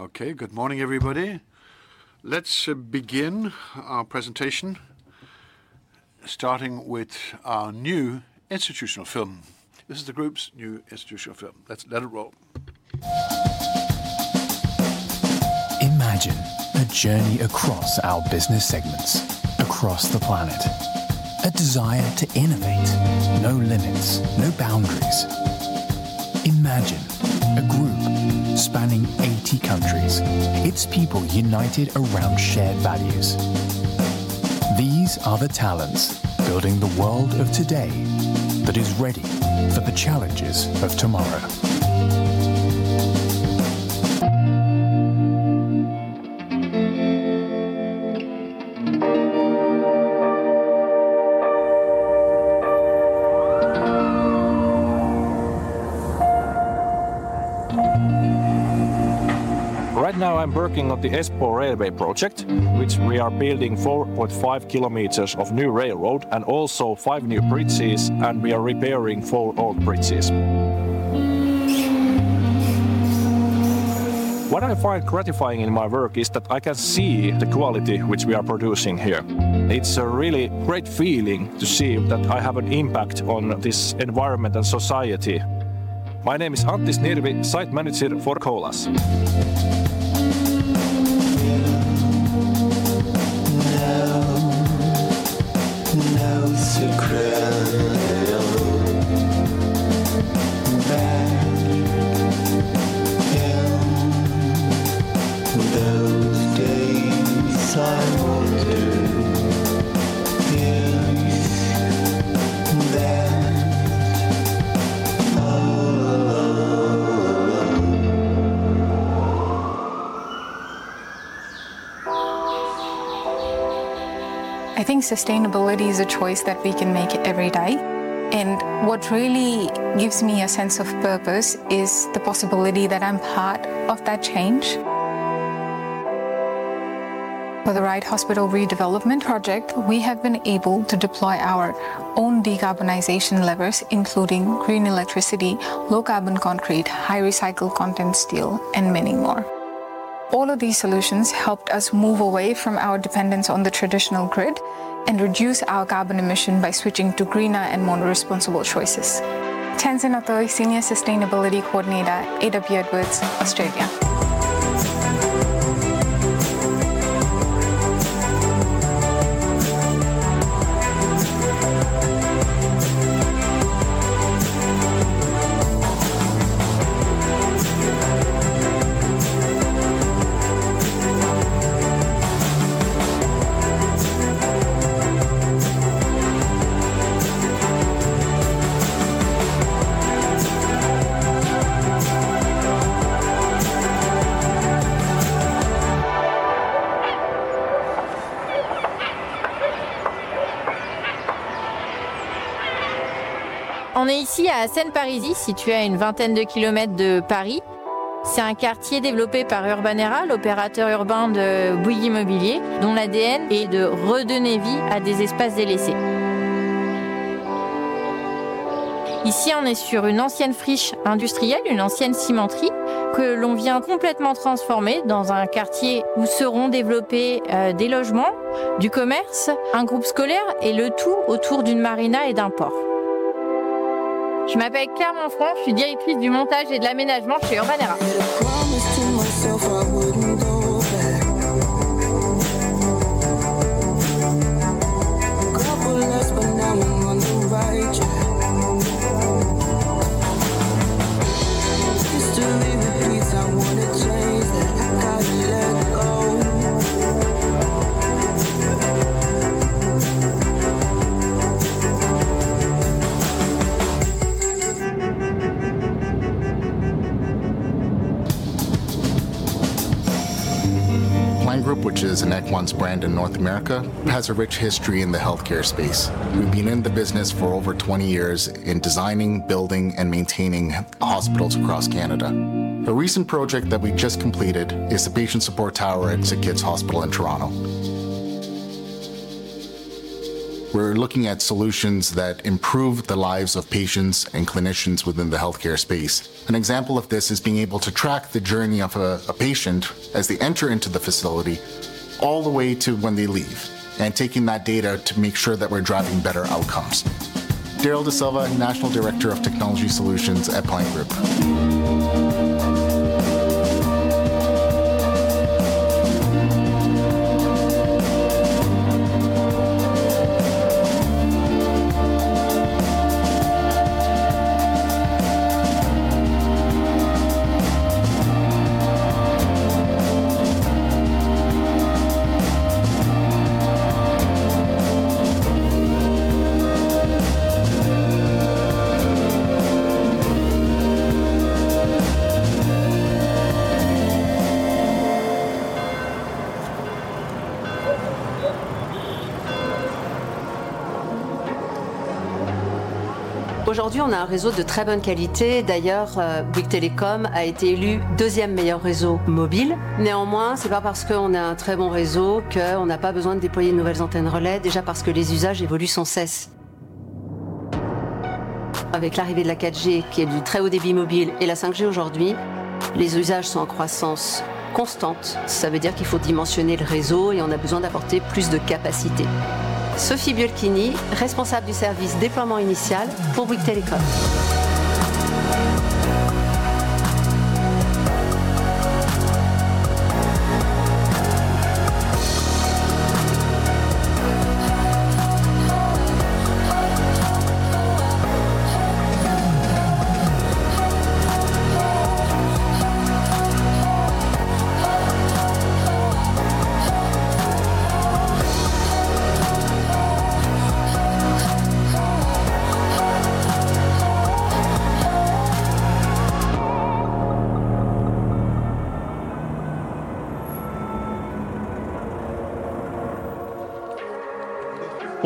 Okay. Good morning, everybody. Let's begin our presentation starting with our new institutional film. This is the group's new institutional film. Let's let it roll. Imagine a journey across our business segments, across the planet, a desire to innovate, no limits, no boundaries. Imagine a group spanning 80 countries. Its people united around shared values. These are the talents building the world of today that is ready for the challenges of tomorrow. Right now I'm working on the Espoo railway project, which we are building 4.5 kilometers of new railroad and also five new bridges, and we are repairing four old bridges. What I find gratifying in my work is that I can see the quality which we are producing here. It's a really great feeling to see that I have an impact on this environment and society. My name is Artis Dervi, site manager for Colas. I think sustainability is a choice that we can make every day. And what really gives me a sense of purpose is the possibility that I'm part of that change. For the right hospital redevelopment project, we have been able to deploy our own decarbonization levers, including green electricity, low carbon concrete, high recycled content steel, and many more. All of these solutions helped us move away from our dependence on the traditional grid and reduce our carbon emission by switching to greener and more responsible choices. Tansen Atoy, senior sustainability coordinator, AW Edwards, Australia. Okay. Line Group, which is an Equinox brand in North America, has a rich history in the healthcare space. We've been in the business for over twenty years in designing, building, and maintaining hospitals across Canada. A recent project that we just completed is the Patient Support tower at SickKids Hospital in Toronto. We're looking at solutions that improve the lives of patients and clinicians within the healthcare space. An example of this is being able to track the journey of a a patient as they enter into the facility all the way to when they leave and taking that data to make sure that we're driving better outcomes. Daryl De Silva, national director of technology solutions at Pine you Okay. You to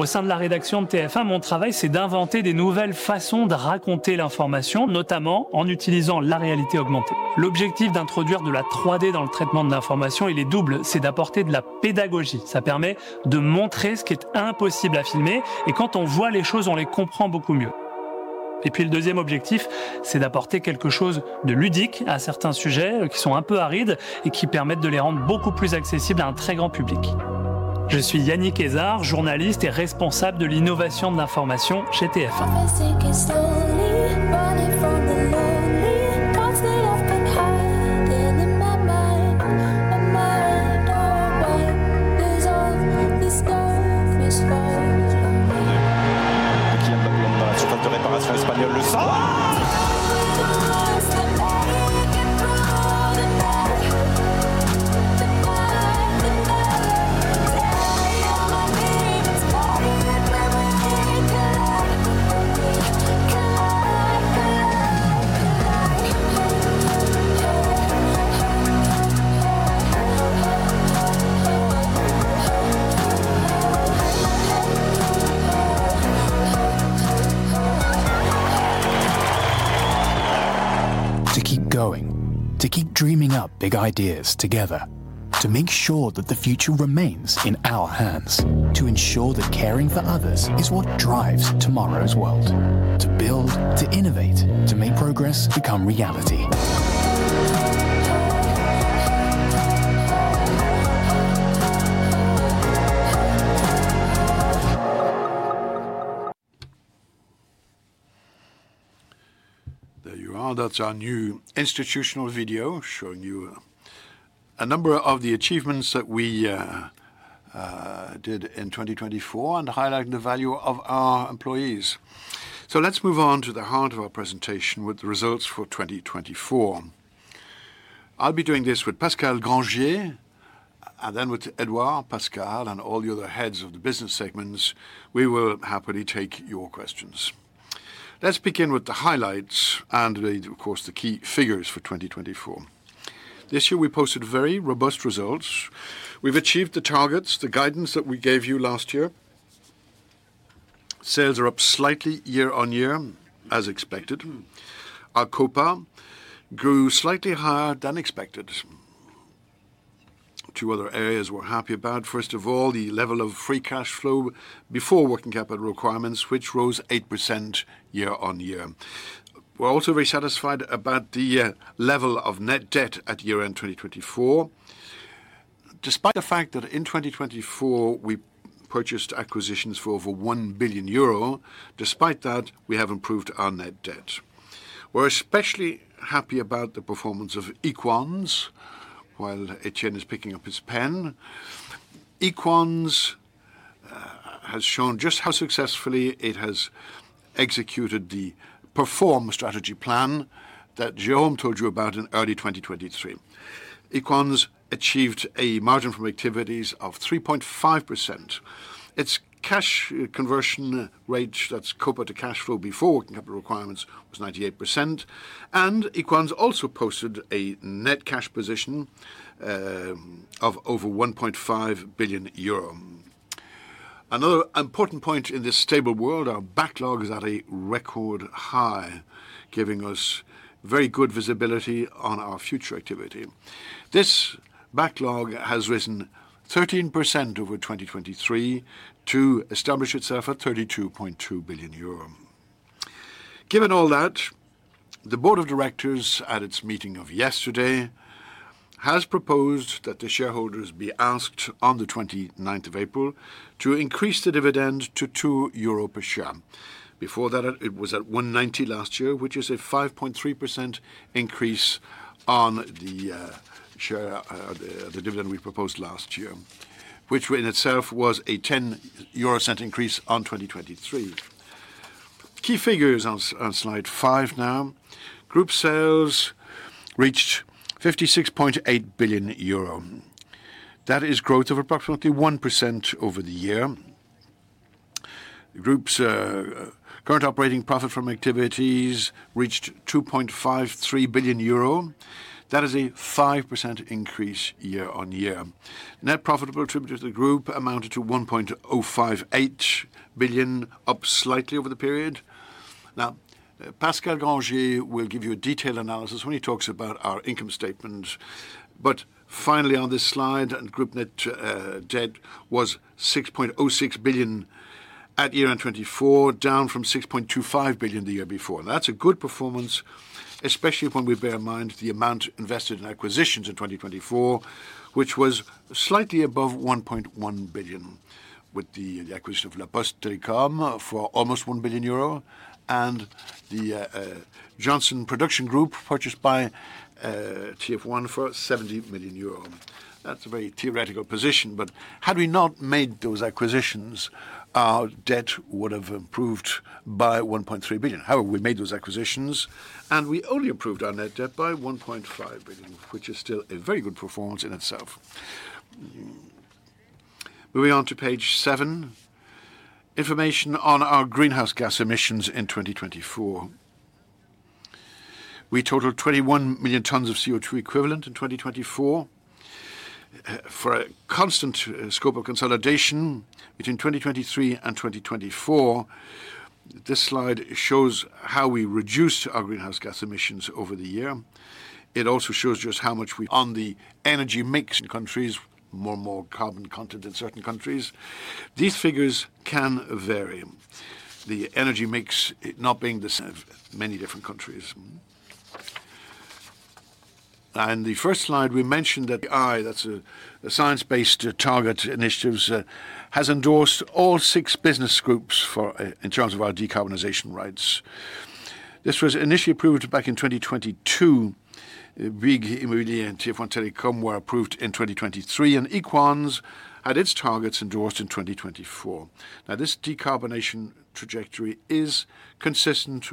To keep going, to keep dreaming up big ideas together, to make sure that the future remains in our hands, to ensure that caring for others is what drives tomorrow's world, to build, to innovate, to make progress become reality. There you are. That's our new institutional video showing you a number of the achievements that we did in 2024 and highlighting the value of our employees. So let's move on to the heart of our presentation with the results for 2024. I'll be doing this with Pascal Granger and then with Edouard, Pascal and all the other heads of the business segments. We will happily take your questions. Let's begin with the highlights and, of course, the key figures for 2024. This year we posted very robust results. We've achieved the targets, the guidance that we gave you last year. Sales are up slightly year on year as expected. Our Copa grew slightly higher than expected. Two other areas we're happy about. First of all, the level of free cash flow before working capital requirements, which rose 8% year on year. We're also very satisfied about the level of net debt at year end 2024. Despite the fact that in 2024, we purchased acquisitions for over billion, despite that, we have improved our net debt. We're especially happy about the performance of Equans, while Etienne is picking up his pen. Equans has shown just how successfully it has executed the Perform strategy plan that Jerome told you about in early twenty twenty three. Equans achieved a margin from activities of 3.5%. Its cash conversion rate, that's COPA to cash flow before working capital requirements, was 98%. And Equans also posted a net cash position of over billion. Another important point in this stable world, our backlog is at a record high giving us very good visibility on our future activity. This backlog has risen 13% over 2023 to establish itself at billion. Given all that, the Board of Directors at its meeting of yesterday has proposed that the shareholders be asked on the April 29 to increase the dividend to per share. Before that, it was at 1.9 last year, which is a 5.3% increase on the share the dividend we proposed last year, which in itself was a increase on 2023. Key figures on Slide five now. Group sales reached billion. That is growth of approximately 1% over the year. The group's current operating profit from activities reached billion. That is a 5% increase year on year. Net profitable attributable to the group amounted to billion, up slightly over the period. Now Pascal Granger will give you a detailed analysis when he talks about our income statement. But finally on this slide, group net debt was billion at year end 2024, down from billion the year before. That's a good performance, especially when we bear in mind the amount invested in acquisitions in 2024, which was slightly above billion with the acquisition of La Poste Telecom for almost billion and the Johnson Production Group purchased by TF1 for million. That's a very theoretical position. But had we not made those acquisitions, our debt would have improved by billion. However, we made those acquisitions and we only improved our net debt by billion, which is still a very good performance in itself. Moving on to Page seven, information on our greenhouse gas emissions in 2024. We totaled 21,000,000 tonnes of CO2 equivalent in 2024 for a constant scope of consolidation between 2023 and 2024, this slide shows how we reduced our greenhouse gas emissions over the year. It also shows just how much we are on the energy mix in countries, more and more carbon content in certain countries. These figures can vary. The energy mix not being the center of many different countries. And the first slide, we mentioned that the AI, that's a science based target initiative, has endorsed all six business groups in terms of our decarbonization rights. This was initially approved back in 2022. Bouygues Immuli and Tiafon Telecom approved in 2023 and Equan's had its targets endorsed in 2024. Now this decarbonation trajectory is consistent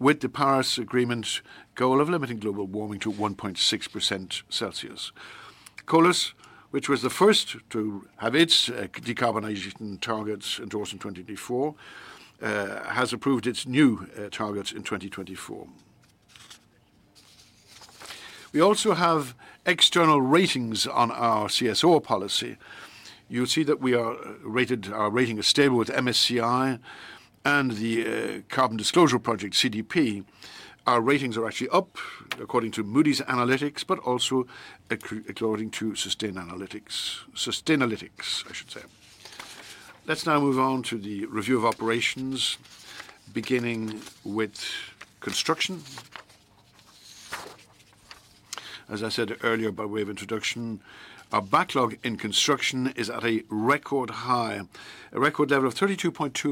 with the Paris Agreement's goal of limiting global warming to 1.6% Celsius. Colas, which was the first to have its decarbonization targets endorsed in 2024, has approved its new targets in 2024. We also have external ratings on our CSO policy. You'll see that we are rated our rating is stable with MSCI and the Carbon Disclosure Project, CDP. Our ratings are actually up according to Moody's Analytics, but also according to Sustain Analytics Sustainalytics, I should say. Let's now move on to the review of operations, beginning with Construction. As I said earlier by way of introduction, our backlog in Construction is at a record high, a record level of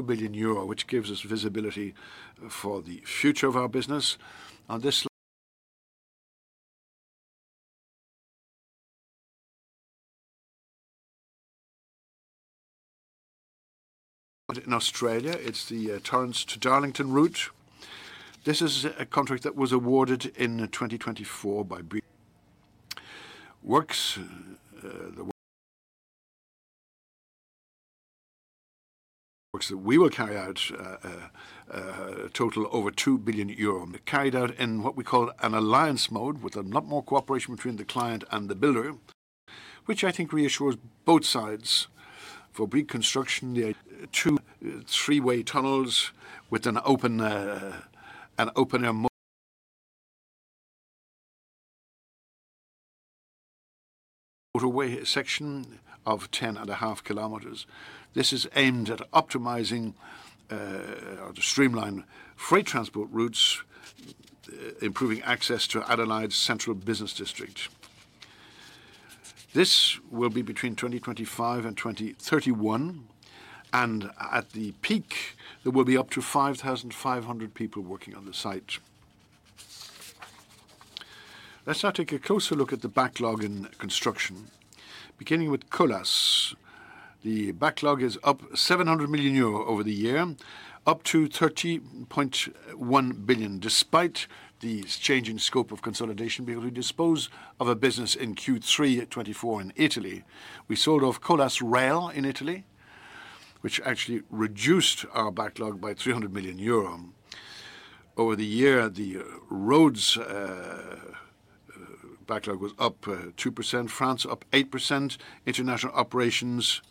billion, which gives us visibility for the future of our business. On this slide in Australia, it's the Torrance to Darlington route. This is a contract that was awarded in 2024 by works. We will carry out a total over €2,000,000,000. They carried out in what we call an alliance mode with a lot more cooperation between the client and the builder, which I think reassures both sides. For reconstruction, the two three way tunnels with an open, an open air motorway section of 10.5 kilometers. This is aimed at optimizing or to streamline freight transport routes, improving access to Adelaide's central business district. This will be between 2025 and 02/1931. And at the peak, there will be up to 5,500 people working on the site. Let's now take a closer look at the backlog in construction. Beginning with Colas, the backlog is up million over the year, up to billion despite the change in scope of consolidation being able to dispose of our business in Q3 twenty twenty four in Italy. We sold off Colas Rail in Italy, which actually reduced our backlog by million. Over the year, the roads backlog was up 2%, France up 8%, international operations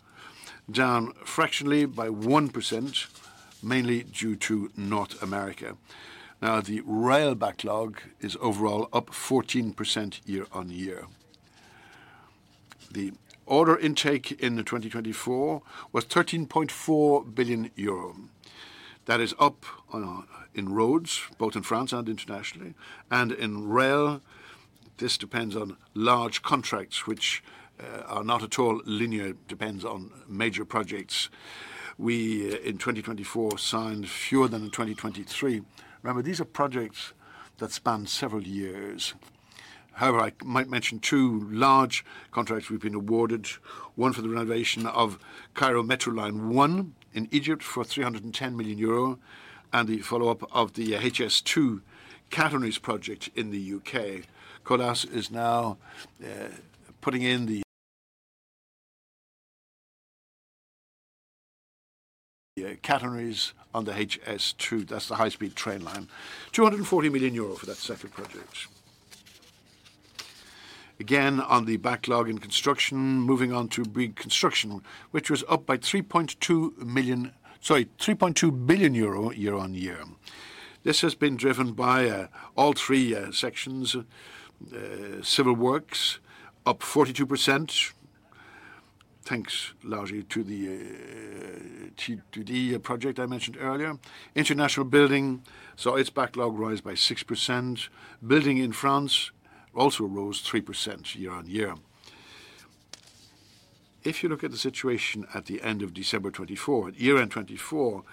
down fractionally by 1% mainly due to North America. Now the rail backlog is overall up 14% year on year. The order intake in 2024 was billion. That is up in roads, both in France and internationally. And in rail, this depends on large contracts, which are not at all linear. It depends on major projects. We, in 2024, signed fewer than 2023. Remember, these are projects that span several years. However, I might mention two large contracts we've been awarded, one for the renovation of Cairo Metro Line 1 in Egypt for million and the follow-up of the HS2 catenaries project in The UK. Colas is now putting in the Catenaries on the HS2, that's the high speed train line. Million for that separate project. Again, on the backlog in construction, moving on to Bouygues Construction, which was up by 3,200,000.0 sorry, €3,200,000,000 year on year. This has been driven by all three sections. Civil Works, up 42%, thanks largely to the project I mentioned earlier. International Building, so its backlog rose by 6%. Building in France also rose 3% year on year. If you look at the situation at the December '24, at year end '24,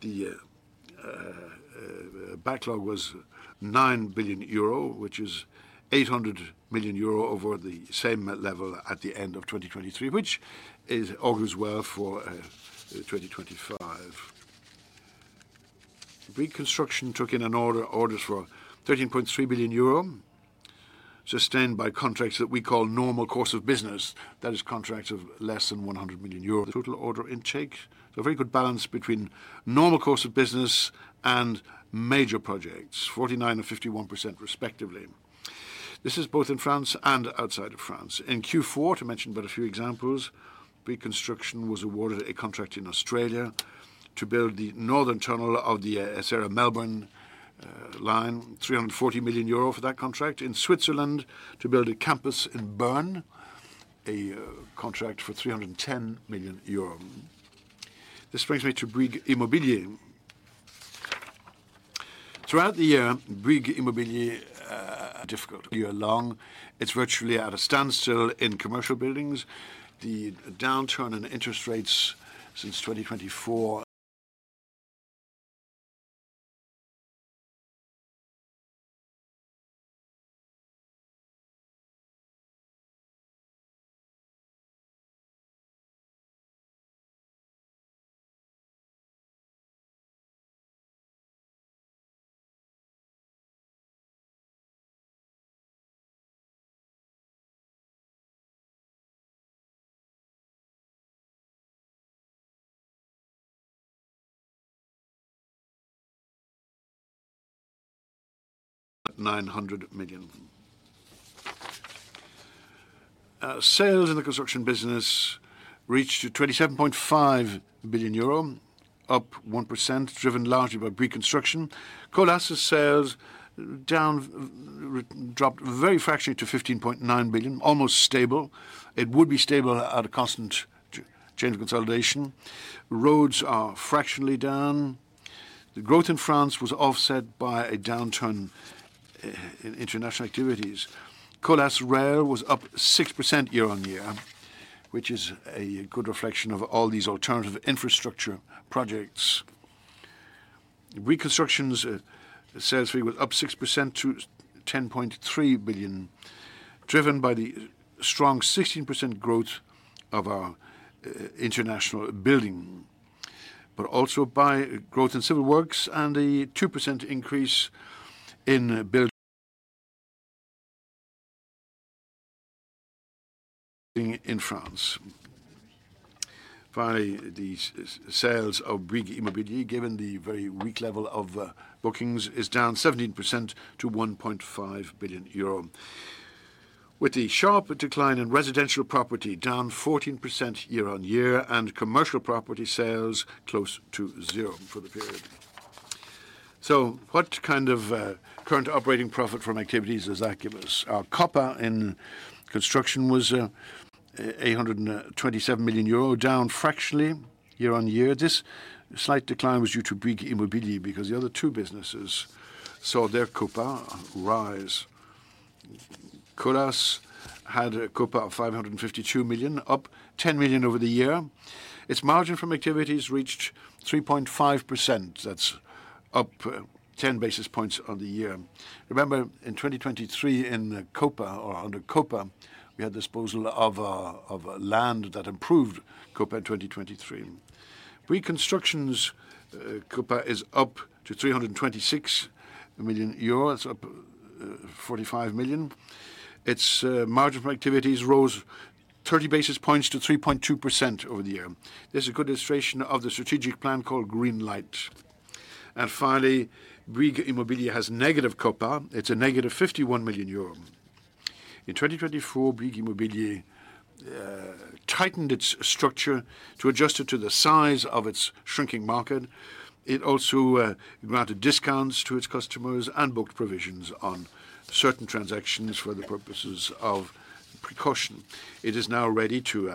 the backlog was billion, which is million over the same level at the end of twenty twenty three, which is augurs well for 2025. Reconstruction took in an order orders for €13,300,000,000 sustained by contracts that we call normal course of business, that is contracts of less than million. Total order intake, a very good balance between normal course of business and major projects, 4951% respectively. This is both in France and outside of France. In Q4, to mention about a few examples, pre construction was awarded a contract in Australia to build the northern tunnel of the Esaero Melbourne line, million for that contract. In Switzerland, to build a campus in Bern, a contract for million. This brings me to Brig Immobilier. Throughout the year, Brig Immobilier, difficult year long. It's virtually at a standstill in commercial buildings. The downturn in interest rates since 2024 I'm million. Sales in the construction business reached billion, up 1% driven largely by preconstruction. Colas's sales down dropped very fractionally to 15,900,000.0, almost stable. It would be stable at a constant change of consolidation. Roads are fractionally down. The growth in France was offset by a downturn in international activities. Colas Rail was up 6% year on year, which is a good reflection of all these alternative infrastructure projects. Reconstructions sales fee was up 6% to billion driven by the strong 16% growth of our international building, but also by growth in Civil Works and a 2% increase in building in France By the sales of Brig Immobiti given the very weak level of bookings is down 17% to billion with the sharper decline in Residential Property down 14% year on year and Commercial Property sales close to zero for the period. So what kind of current operating profit from activities is Acuvius? Our copper in Construction was million, down fractionally year on year. This slight decline was due to big immobility because the other two businesses saw their Copa rise. Colas had a COPA of million, up million over the year. Its margin from activities reached 3.5%. That's up 10 basis points on the year. Remember, in 2023 in Copa or under Copa, we had disposal of land that improved Copa in 2023. Reconstructions Copa is up to €326,000,000 up 45,000,000. Its margin for activities rose 30 basis points to 3.2% over the year. This is a good illustration of the strategic plan called Green Light. And finally, Bouygues Immobilier has negative COPA. It's a negative million. In 2024, Bouygues Immobilier tightened its structure to adjust it to the size of its shrinking market. It also granted discounts to its customers and booked provisions on certain transactions for the purposes of precaution. It is now ready to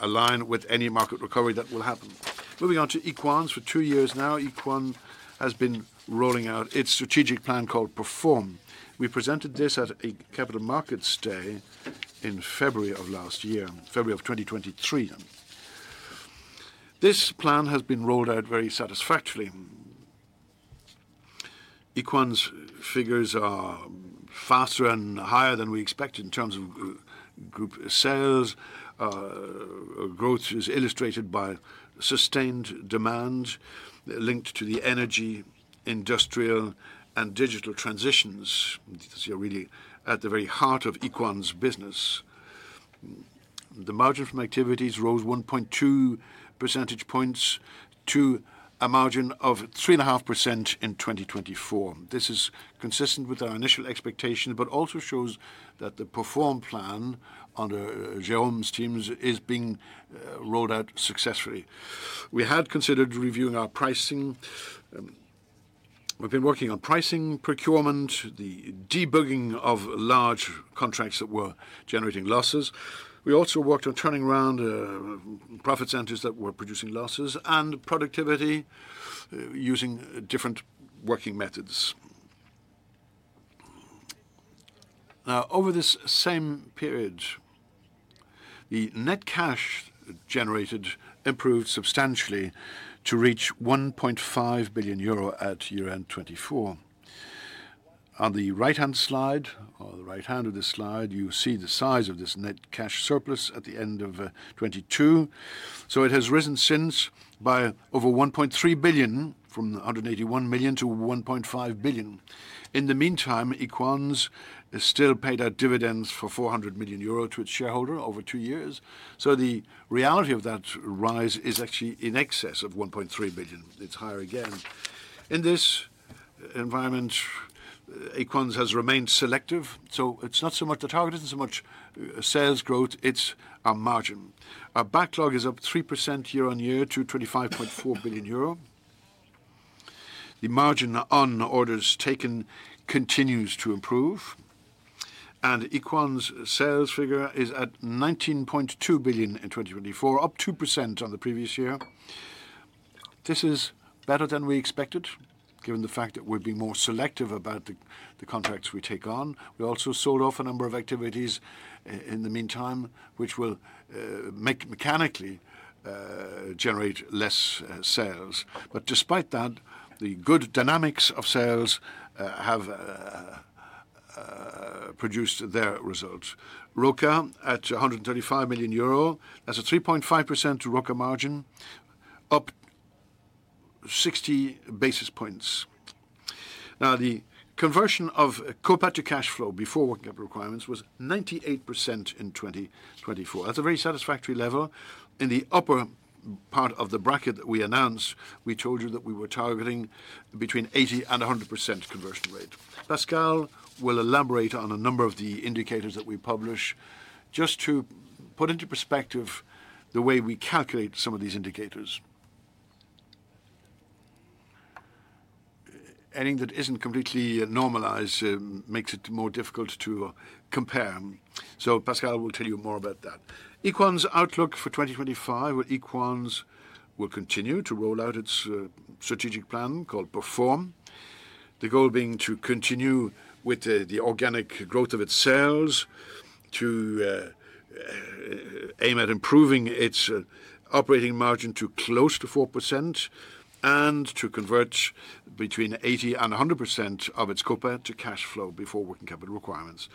align with any market recovery that will happen. Moving on to Equan. For two years now, Equan has been rolling out its strategic plan called Perform. We presented this at a Capital Markets Day in February of last year, February of '20 '20 '3. This plan has been rolled out very satisfactorily. Equan's figures are faster and higher than we expected in terms of group sales. Growth is illustrated by sustained demand linked to the energy, industrial and digital transitions. You're really at the very heart of Equan's business. The margin from activities rose 1.2 percentage points to a margin of 3.5% in 2024. This is consistent with our initial expectation but also shows that the Perform plan under Jerome's teams is being rolled out successfully. We had considered reviewing our pricing. We've been working on pricing, procurement, the debugging of large contracts that were generating losses. We also worked on turning around profit centers that were producing losses and productivity using different working methods. Now over this same period, the net cash generated improved substantially to reach billion at year end 'twenty four. On the right hand slide, on the right hand of the slide, you see the size of this net cash surplus at the end of 'twenty two. So it has risen since by over billion from million to billion. In the meantime, Equans still paid out dividends for €400,000,000 to its shareholder over two years. So the reality of that rise is actually in excess of 1,300,000,000.0. It's higher again. In this environment, Acorns has remained selective. So it's not so much the target, it's so much sales growth, it's our margin. Our backlog is up 3% year on year to billion. The margin on orders taken continues to improve. And Equan's sales figure is at billion in 2024, up 2% on the previous year. This is better than we expected given the fact that we'd be more selective about the contracts we take on. We also sold off a number of activities in the meantime, which will make mechanically generate less sales. But despite that, the good dynamics of sales have produced their results. Roca at million, that's a 3.5% Roca margin, up 60 basis points. Now the conversion of Copa to cash flow before working capital requirements was 98% in 2024. That's a very satisfactory level. In the upper part of the bracket that we announced, we told you that we were targeting between 80100% conversion rate. Pascal will elaborate on a number of the indicators that we publish just to put into perspective the way we calculate some of these indicators. Anything that isn't completely normalized makes it more difficult to compare. So Pascal will tell you more about that. Equan's outlook for 2025 with Equan's will continue to roll out its strategic plan called Perform, the goal being to continue with the organic growth of its sales to aim at improving its operating margin to close to 4% and to convert between 80100% of its COPA to cash flow before working capital requirements.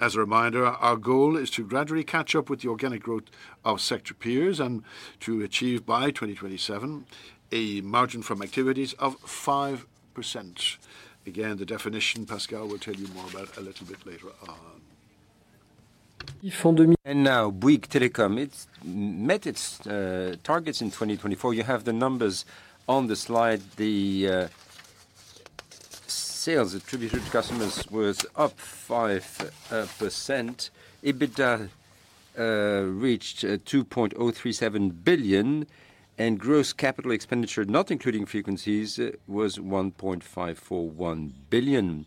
As a reminder, our goal is to gradually catch up with the organic growth of sector peers and to achieve by 2027 a margin from activities of 5%. Again, the definition Pascal will tell you more about a little bit later on. And Bouygues Telecom, it met its targets in 2024. You have the numbers on the slide. The sales attributed to customers was up 5%. EBITDA reached billion and gross capital expenditure, not including frequencies, was billion.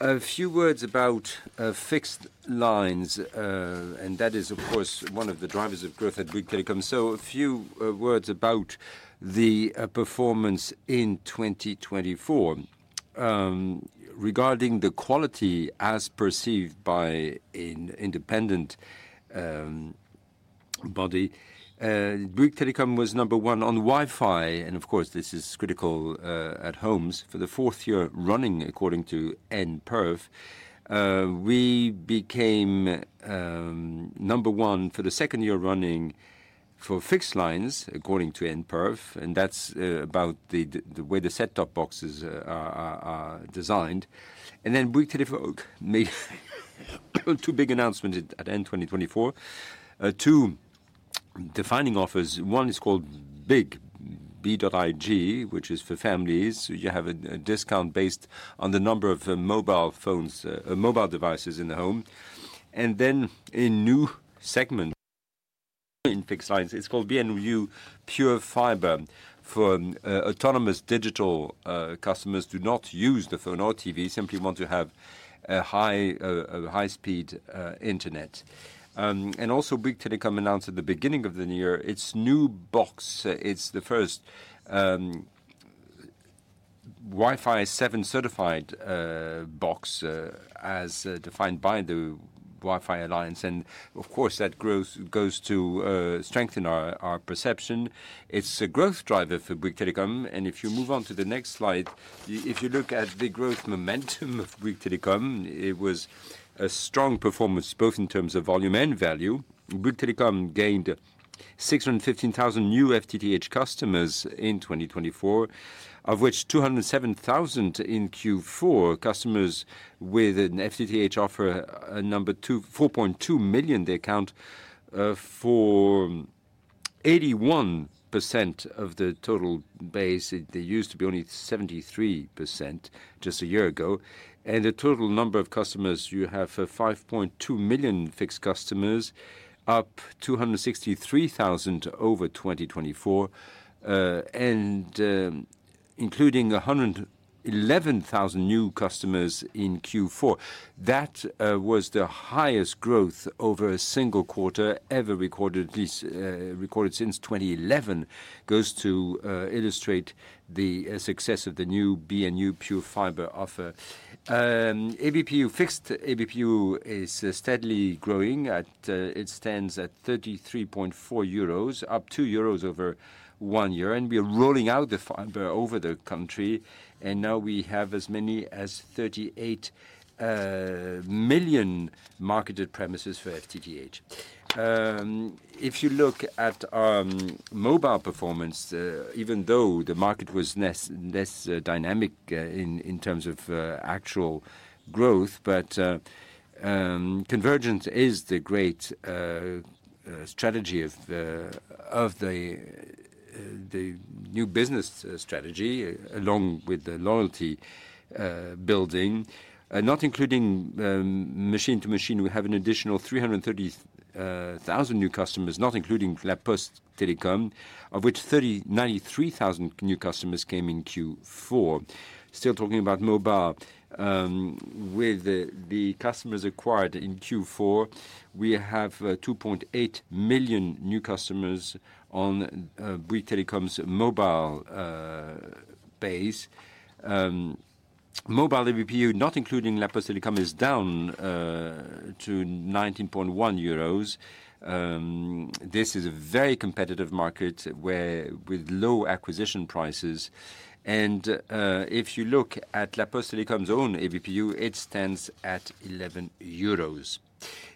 A few words about fixed lines, and that is, of course, one of the drivers of growth at Bouygues Telecom. So a few words about the performance in 2024. Regarding the quality as perceived by an independent body, Bouygues Telecom was number one on Wi Fi, and of course, this is critical at homes for the fourth year running according to NPerf. We became number one for the second year running for fixed lines according to Nperf, and that's about the way the set top boxes are designed. And then Bouygues Telecom made two big announcements at end twenty twenty four. Two defining offers, one is called BIG, B. I. G, which is for families. You have a discount based on the number of mobile phones mobile devices in the home. And then in new segment, in fixed sites, it's called BNU Pure Fiber for autonomous digital customers do not use the phone or TV, simply want to have a high speed Internet. And also Bouygues Telecom announced at the beginning of the year its new box. It's the first Wi Fi seven certified box as defined by the Wi Fi Alliance. And of course, that growth goes to strengthen our perception. It's a growth driver for Bouygues Telecom. And if you move on to the next slide, if you look at the growth momentum of Bouygues Telecom, it was a strong performance both in terms of volume and value. Bouygues Telecom gained 615,000 new FTTH customers in 2024, of which 207,000 in Q4. Customers with an FTTH offer number 2,000,000, they account for 81% of the total base. They used to be only 73% just a year ago. And the total number of customers you have 5,200,000 fixed customers, up 263,000 over 2024 and including 111,000 new customers in Q4. That was the highest growth over a single quarter ever recorded since 2011 goes to illustrate the success of the new BNU PureFibre offer. ABPU, fixed ABPU is steadily growing at it stands at up over one year. And we are rolling out the fiber over the country. And now we have as many as 38,000,000 marketed premises for FTTH. If you look at mobile performance, even though the market was less dynamic in terms of actual growth, but Convergent is the great strategy of the new business strategy along with the loyalty building. Not including machine to machine, we have an additional 330,000 new customers, not including La Post Telecom, of which 93,000 new customers came in Q4. Still talking about mobile, with the customers acquired in Q4, we have 2,800,000 new customers on Bouygues Telecom's mobile base. Mobile EVPU, not including La Post Telecom, is down to This is a very competitive market where with low acquisition prices. And if you look at La Post Telecom's own ABPU, it stands at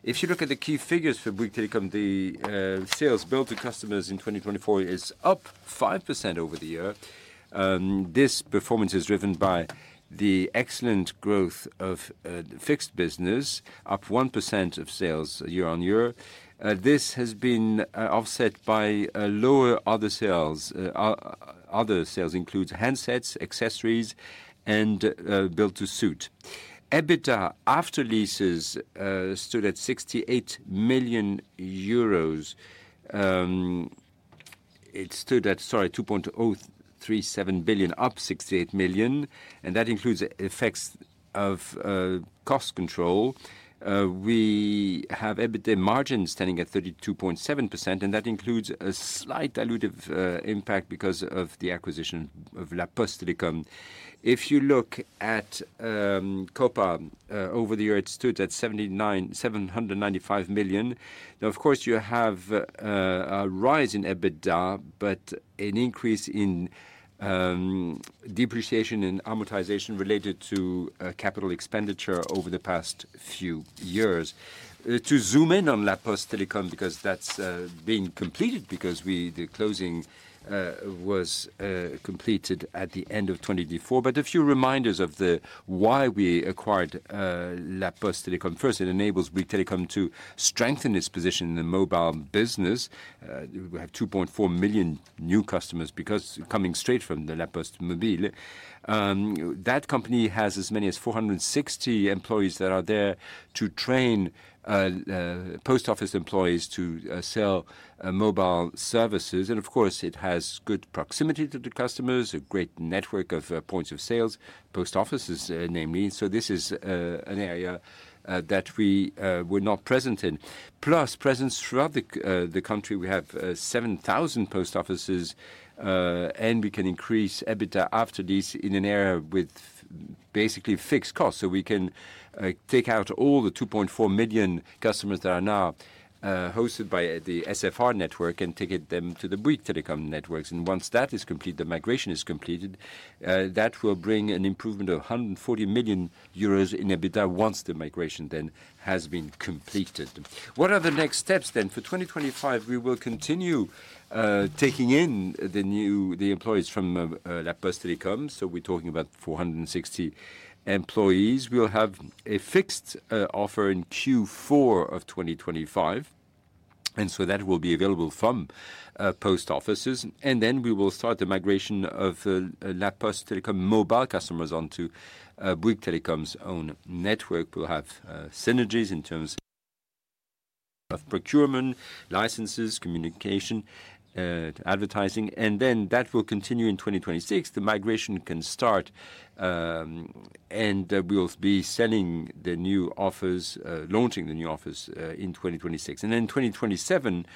If you look at the key figures for Bouygues Telecom, the sales built to customers in 2024 is up 5% over the year. This performance is driven by the excellent growth of fixed business, up 1% of sales year on year. This has been offset by lower other sales other sales includes handsets, accessories and build to suit. EBITDA after leases stood at million. It stood at billion, up million, and that includes effects of cost control. We have EBITDA margin standing at 32.7%, and that includes a slight dilutive impact because of the acquisition of La Poste de Lecombe. If you look at Copa over the year, it stood at million. Now of course, you have a rise in EBITDA, but an increase in depreciation and amortization related to capital expenditure over the past few years. To zoom in on La Post Telecom because that's been completed because we the closing was completed at the end of twenty twenty four, but a few reminders of the why we acquired La Post Telecom. First, it enables Bouygues Telecom to strengthen its position in the mobile business. We have 2,400,000 new customers because coming straight from the La Post Mobile. That company has as many as four sixty employees that are there to train post office employees to sell mobile services. And of course, it has good proximity to the customers, a great network of points of sales, post offices, namely. So this is an area that we were not present in. Plus presence throughout the country, we have 7,000 post offices, and we can increase EBITDA after this in an area with basically fixed costs. So we can take out all the 2,400,000 customers that are now hosted by the SFR network and ticket them to the Bouygues Telecom networks. And once that is complete, the migration is completed, that will bring an improvement of 140,000,000 in EBITDA once the migration then has been completed. What are the next steps then? For 2025, we will continue taking in the new the employees from La Poste Telecom, so we're talking about four sixty employees. We'll have a fixed offer in Q4 of twenty twenty five. And so that will be available from post offices. And then we will start the migration of La Post Telecom mobile customers onto Bouygues Telecom's own network will have synergies in terms of procurement, licenses, communication, advertising. And then that will continue in 2026. The migration can start, and we'll be selling the new offers launching the new offers in 2026. And then 2027,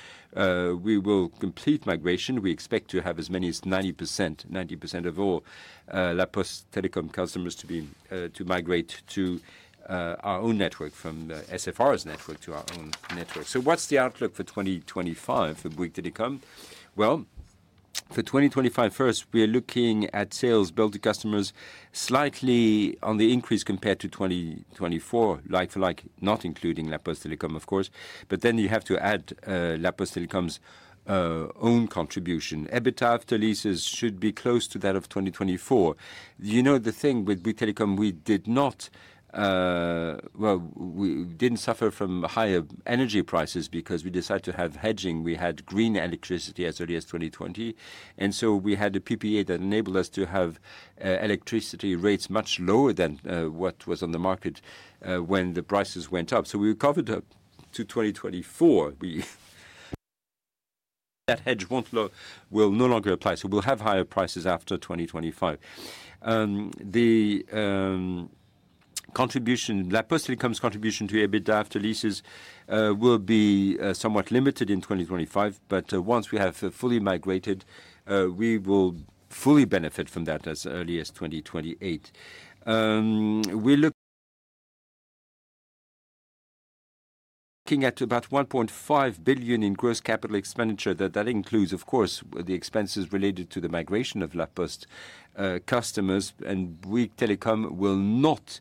we will complete migration. We expect to have as many as 9090% of all La Post Telecom customers to migrate to our own network from SFR's network to our own network. So what's the outlook for 2025 for Bouygues Telecom? Well, for 2025, first, we are looking at sales built to customers slightly on the increase compared to 2024, like for like not including La Post Telecom, of course. But then you have to add La Post Telecom's own contribution. EBITDA after leases should be close to that of 2024. The thing with Telecom, we did not well, we didn't suffer from higher energy prices because we decided to have hedging. We had green electricity as early as 2020. And so we had a PPA that enabled us to have electricity rates much lower than what was on the market when the prices went up. So we're covered up to 2024. That hedge won't will no longer apply. So we'll have higher prices after 2025. The contribution La Postle becomes contribution to EBITDA after leases will be somewhat limited in 2025. But once we have fully migrated, we will fully benefit from that as early as 2028. We look looking at about billion in gross capital expenditure. That includes, of course, the expenses related to the migration of La Poste customers, and Bouygues Telecom will not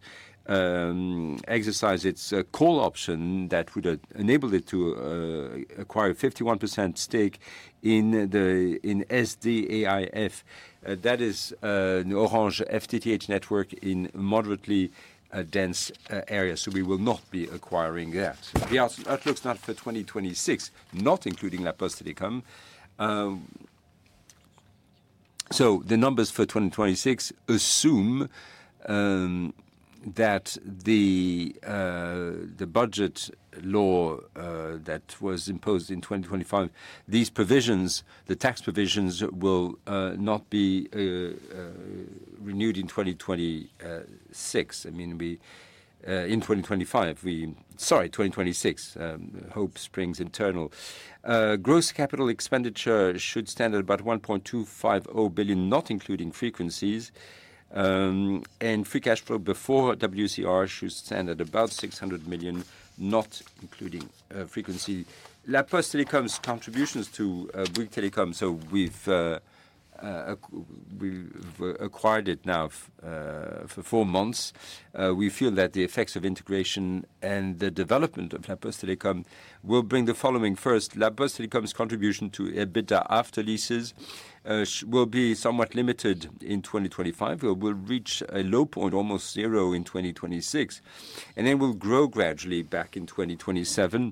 exercise its call option that would enable it to acquire 51% stake in the in SDAIF. That is a new Orange FTTH network in moderately dense areas. So we will not be acquiring that. So that looks not for 2026, not including La Poste de Camp. So the numbers for 2026 assume that the budget law that was imposed in 2025, these provisions, the tax provisions will not be renewed in 2026. I mean, we in 2025, we sorry, 2026, hope springs internal. Gross capital expenditure should stand at about billion, not including frequencies. And free cash flow before WCR should stand at about million not including frequency. Laplace Telecom's contributions to Bouygues Telecom, so acquired it now for four months. We feel that the effects of integration and the development of La Post Telecom will bring the following. First, La Post Telecom's contribution to EBITDA after leases will be somewhat limited in 2025. It will reach a low point, almost zero in 2026. And then we'll grow gradually back in 2027,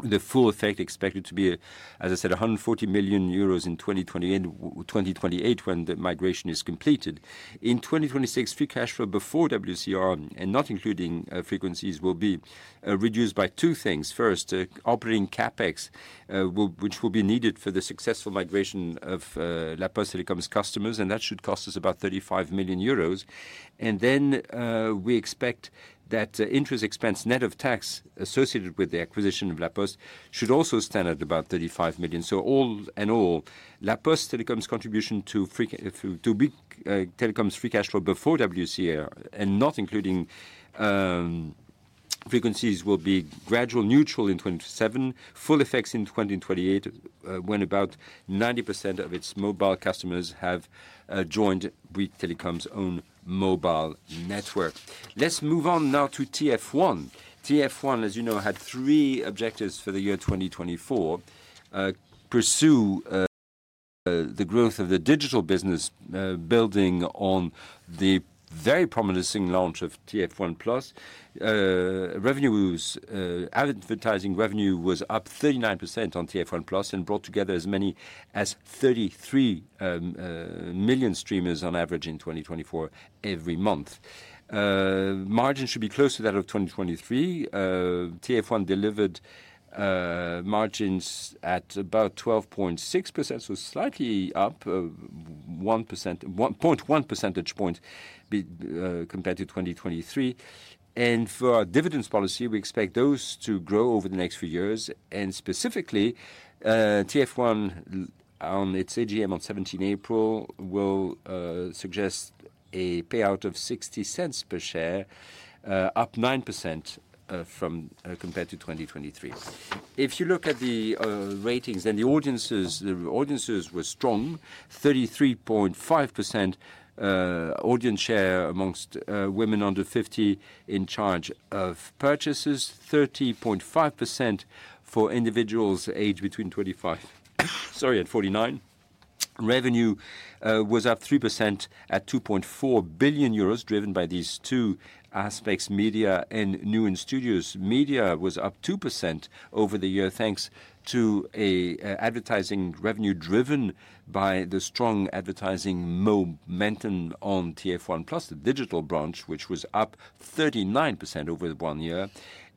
the full effect expected to be, as I said, million in 2028 when the migration is completed. In 2026, free cash flow before WCR and not including frequencies will be reduced by two things. First, operating CapEx, which will be needed for the successful migration of La Post Telecom's customers, and that should cost us about million. And then we expect that interest expense, net of tax associated with the acquisition of La Post, should also stand at about million. So all in all, La Poste Telecom's contribution to big telecoms free cash flow before WCA and not including frequencies will be gradual neutral in 2027, full effects in 2028 when about 90% of its mobile customers have joined Bouygues Telecom's own mobile network. Let's move on now to TF1. TF1, as you know, had three objectives for the year 2024. Pursue the growth of the digital business, building on the very promising launch of TF1 plus revenues, advertising revenue was up 39% on TF1 plus and brought together as many as 33,000,000 streamers on average in 2024 every month. Margins should be close to that of 2023. TF1 delivered margins at about 12.6%, so slightly up one percent one point one percentage point compared to 2023. And for our dividends policy, we expect those to grow over the next few years. And specifically, TF1 on its AGM on seventeen April will suggest a payout of per share, up 9% from compared to 2023. If you look at the ratings and the audiences were strong, 33.5% audience share amongst women 50 in charge of purchases, 30.5% for individuals aged between 25 sorry, at 49. Revenue was up 3% at billion driven by these two aspects Media and New in Studios. Media was up 2% over the year, thanks to advertising revenue driven by the strong advertising momentum on TF1 plus the digital branch, which was up 39% over one year.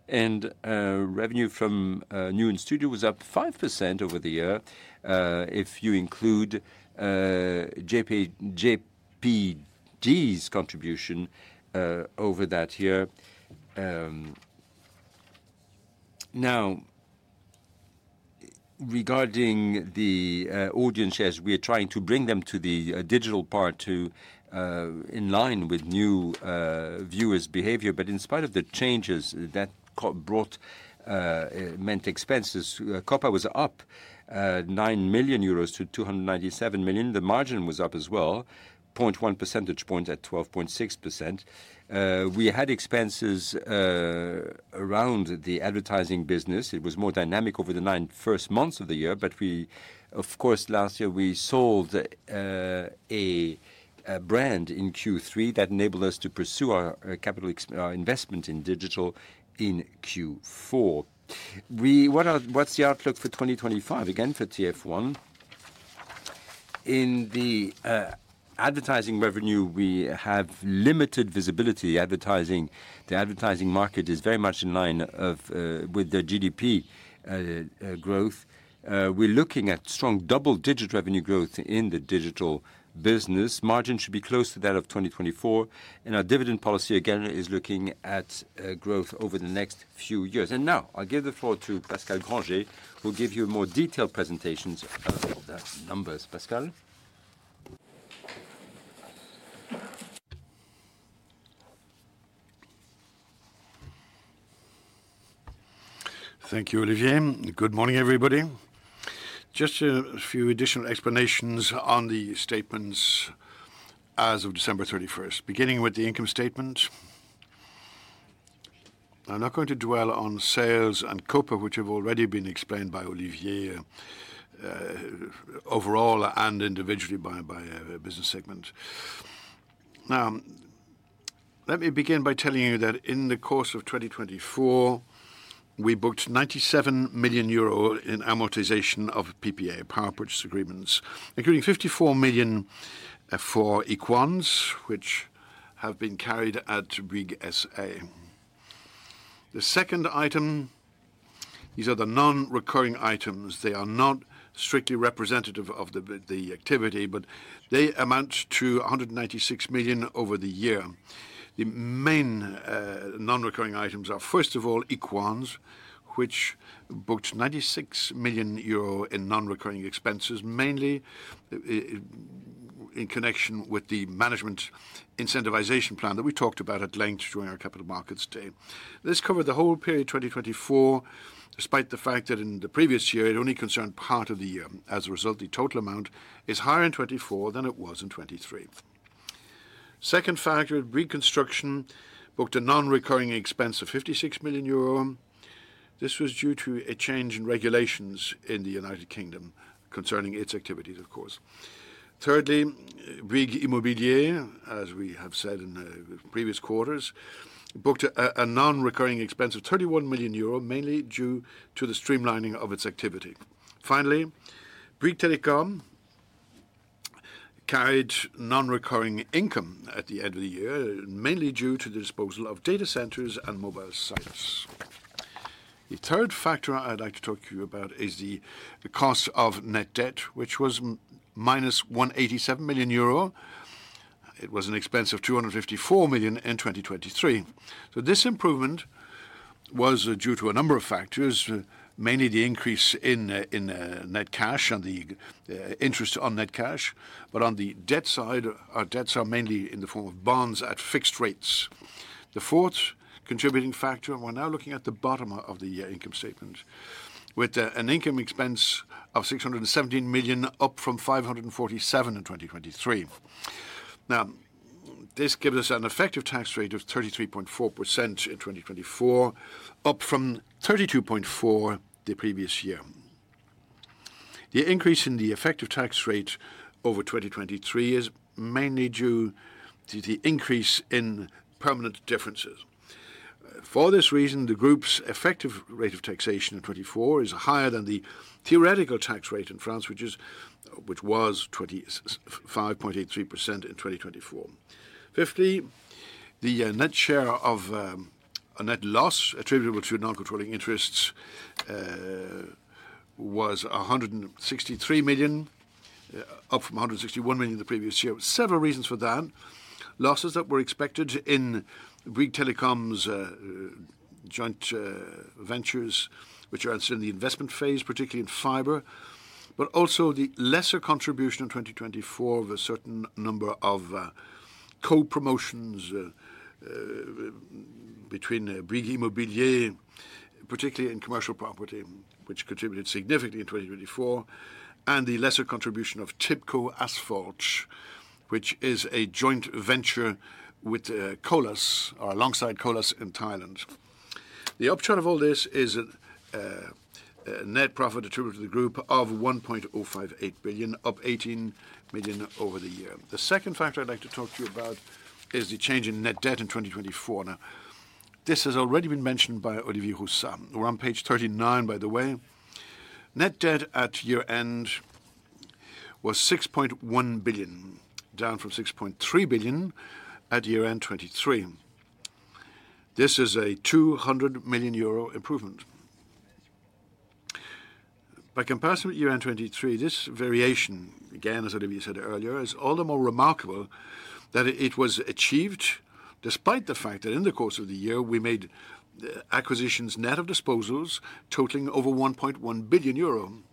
And revenue from new in studio was up 5% over the year. If you include JPG's contribution over that year. Now regarding the audience shares, we are trying to bring them to the digital part to in line with new viewers' behavior. But in spite of the changes that brought meant expenses, Copa was up million to million. The margin was up as well, 0.1 percentage point at 12.6%. We had expenses around the advertising business. It was more dynamic over the nine first months of the year, but we, of course, last year, we sold a brand in Q3 that enabled us to pursue our capital investment in digital in Q4. What's the outlook for 2025? Again, for TF1, in the advertising revenue, we have limited visibility. Advertising, the advertising market is very much in line of with the GDP growth. We're looking at strong double digit revenue growth in the digital business. Margin should be close to that of 2024. And our dividend policy, again, is looking at growth over the next few years. And now I give the floor to Pascal Granger, who will give you more detailed presentations of the numbers. Pascal? Thank you, Olivier. Good morning, everybody. Just a few additional explanations on the statements as of December 31. Beginning with the income statement, I'm not going to dwell on sales and COPA, which have already been explained by Olivier overall and individually by business segment. Now Let me begin by telling you that in the course of 2024, we booked million in amortization of PPA, power purchase agreements, including million for equans, which have been carried out to Big S. A. The second item, these are the non recurring items. They are not strictly representative of the activity, but they amount to million over the year. The main non recurring items are first of all, Equans, which booked million in non recurring expenses, mainly in connection with the management incentivization plan that we talked about at length during our Capital Markets Day. This covered the whole period 2024 despite the fact that in the previous year it only concerned part of the year. As a result, the total amount is higher in 2024 than it was in 2023. Second factor, reconstruction booked a non recurring expense of million. This was due to a change in regulations in The United Kingdom concerning its activities, of course. Thirdly, Bouygues Immobilier, as we have said in previous quarters, booked a non recurring expense of million mainly due to the streamlining of its activity. Finally, Bouygues Telecom carried non recurring income at the end of the year, mainly due to the disposal of data centers and mobile sites. The third factor I'd like to talk to you about is the cost of net debt, which was minus million. It was an expense of million in 2023. So this improvement was due to a number of factors, mainly the increase in net cash and the interest on net cash. But on the debt side, our debts are mainly in the form of bonds at fixed rates. The fourth contributing factor, we're now looking at the bottom of the year income statement with an income expense of million up from million in 2023. Now this gives us an effective tax rate of 33.4% in 2024, up from million the previous year. The increase in the effective tax rate over 2023 is mainly due to the increase in permanent differences. For this reason, the group's effective rate of taxation in 2024 is higher than the theoretical tax rate in France, which was 25.83% in 2024. '50, the net share of a net loss attributable to non controlling interests was 163,000,000, up from 161,000,000 the previous year. Several reasons for that. Losses that were expected in Bouygues Telecom's joint ventures, which are also in the investment phase, particularly in fiber, but also the lesser contribution in 2024 of a certain number of co promotions between Brigitte Mobilier, particularly in commercial property, which contributed significantly in 2024, and the lesser contribution of TIBCO Asphalt, which is a joint venture with Colas, alongside Colas in Thailand. The upshot of all this is net profit attributable to the group of billion, up million over the year. The second factor I'd like to talk to you about is the change in net debt in 2024. Now This has already been mentioned by Olivier Hussam. We're on Page 39, by the way. Net debt at year end was billion, down from billion at year end 'twenty three. This is a million improvement. By comparison with year end 'twenty three, this variation, again, as Olivier said earlier, is all the more remarkable that it was achieved despite the fact that in the course of the year, we made acquisitions net of disposals totaling over billion.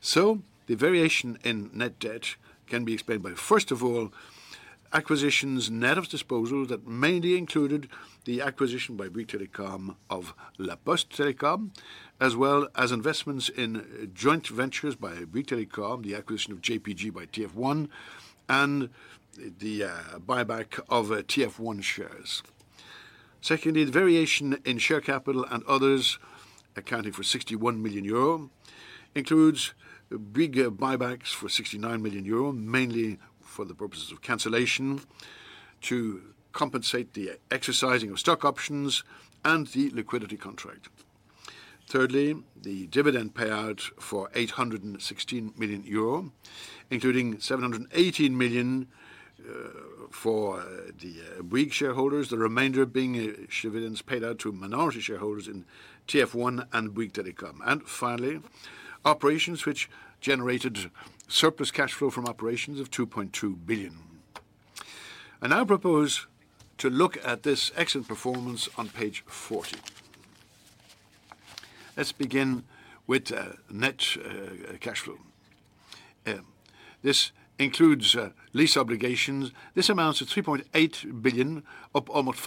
So the variation in net debt can be explained by, first of all, acquisitions net of disposal that mainly included the acquisition by Brie Telecom of La Poste Telecom as well as investments in joint ventures by Brie Telecom, the acquisition of JPG by TF1 and the buyback of TF1 shares. Secondly, the variation in share capital and others accounting for million includes bigger buybacks for million mainly for the purposes of cancellation to compensate the exercising of stock options and the liquidity contract. Thirdly, the dividend payout for million including million for the Bouygues shareholders, the remainder being Chevillians paid out to minority shareholders in TF1 and Bouygues Telecom. And finally, operations which generated surplus cash flow from operations of 2,200,000,000.0. I now propose to look at this excellent performance on page 40. Let's begin with net cash flow. This includes lease obligations. This amounts to billion, up almost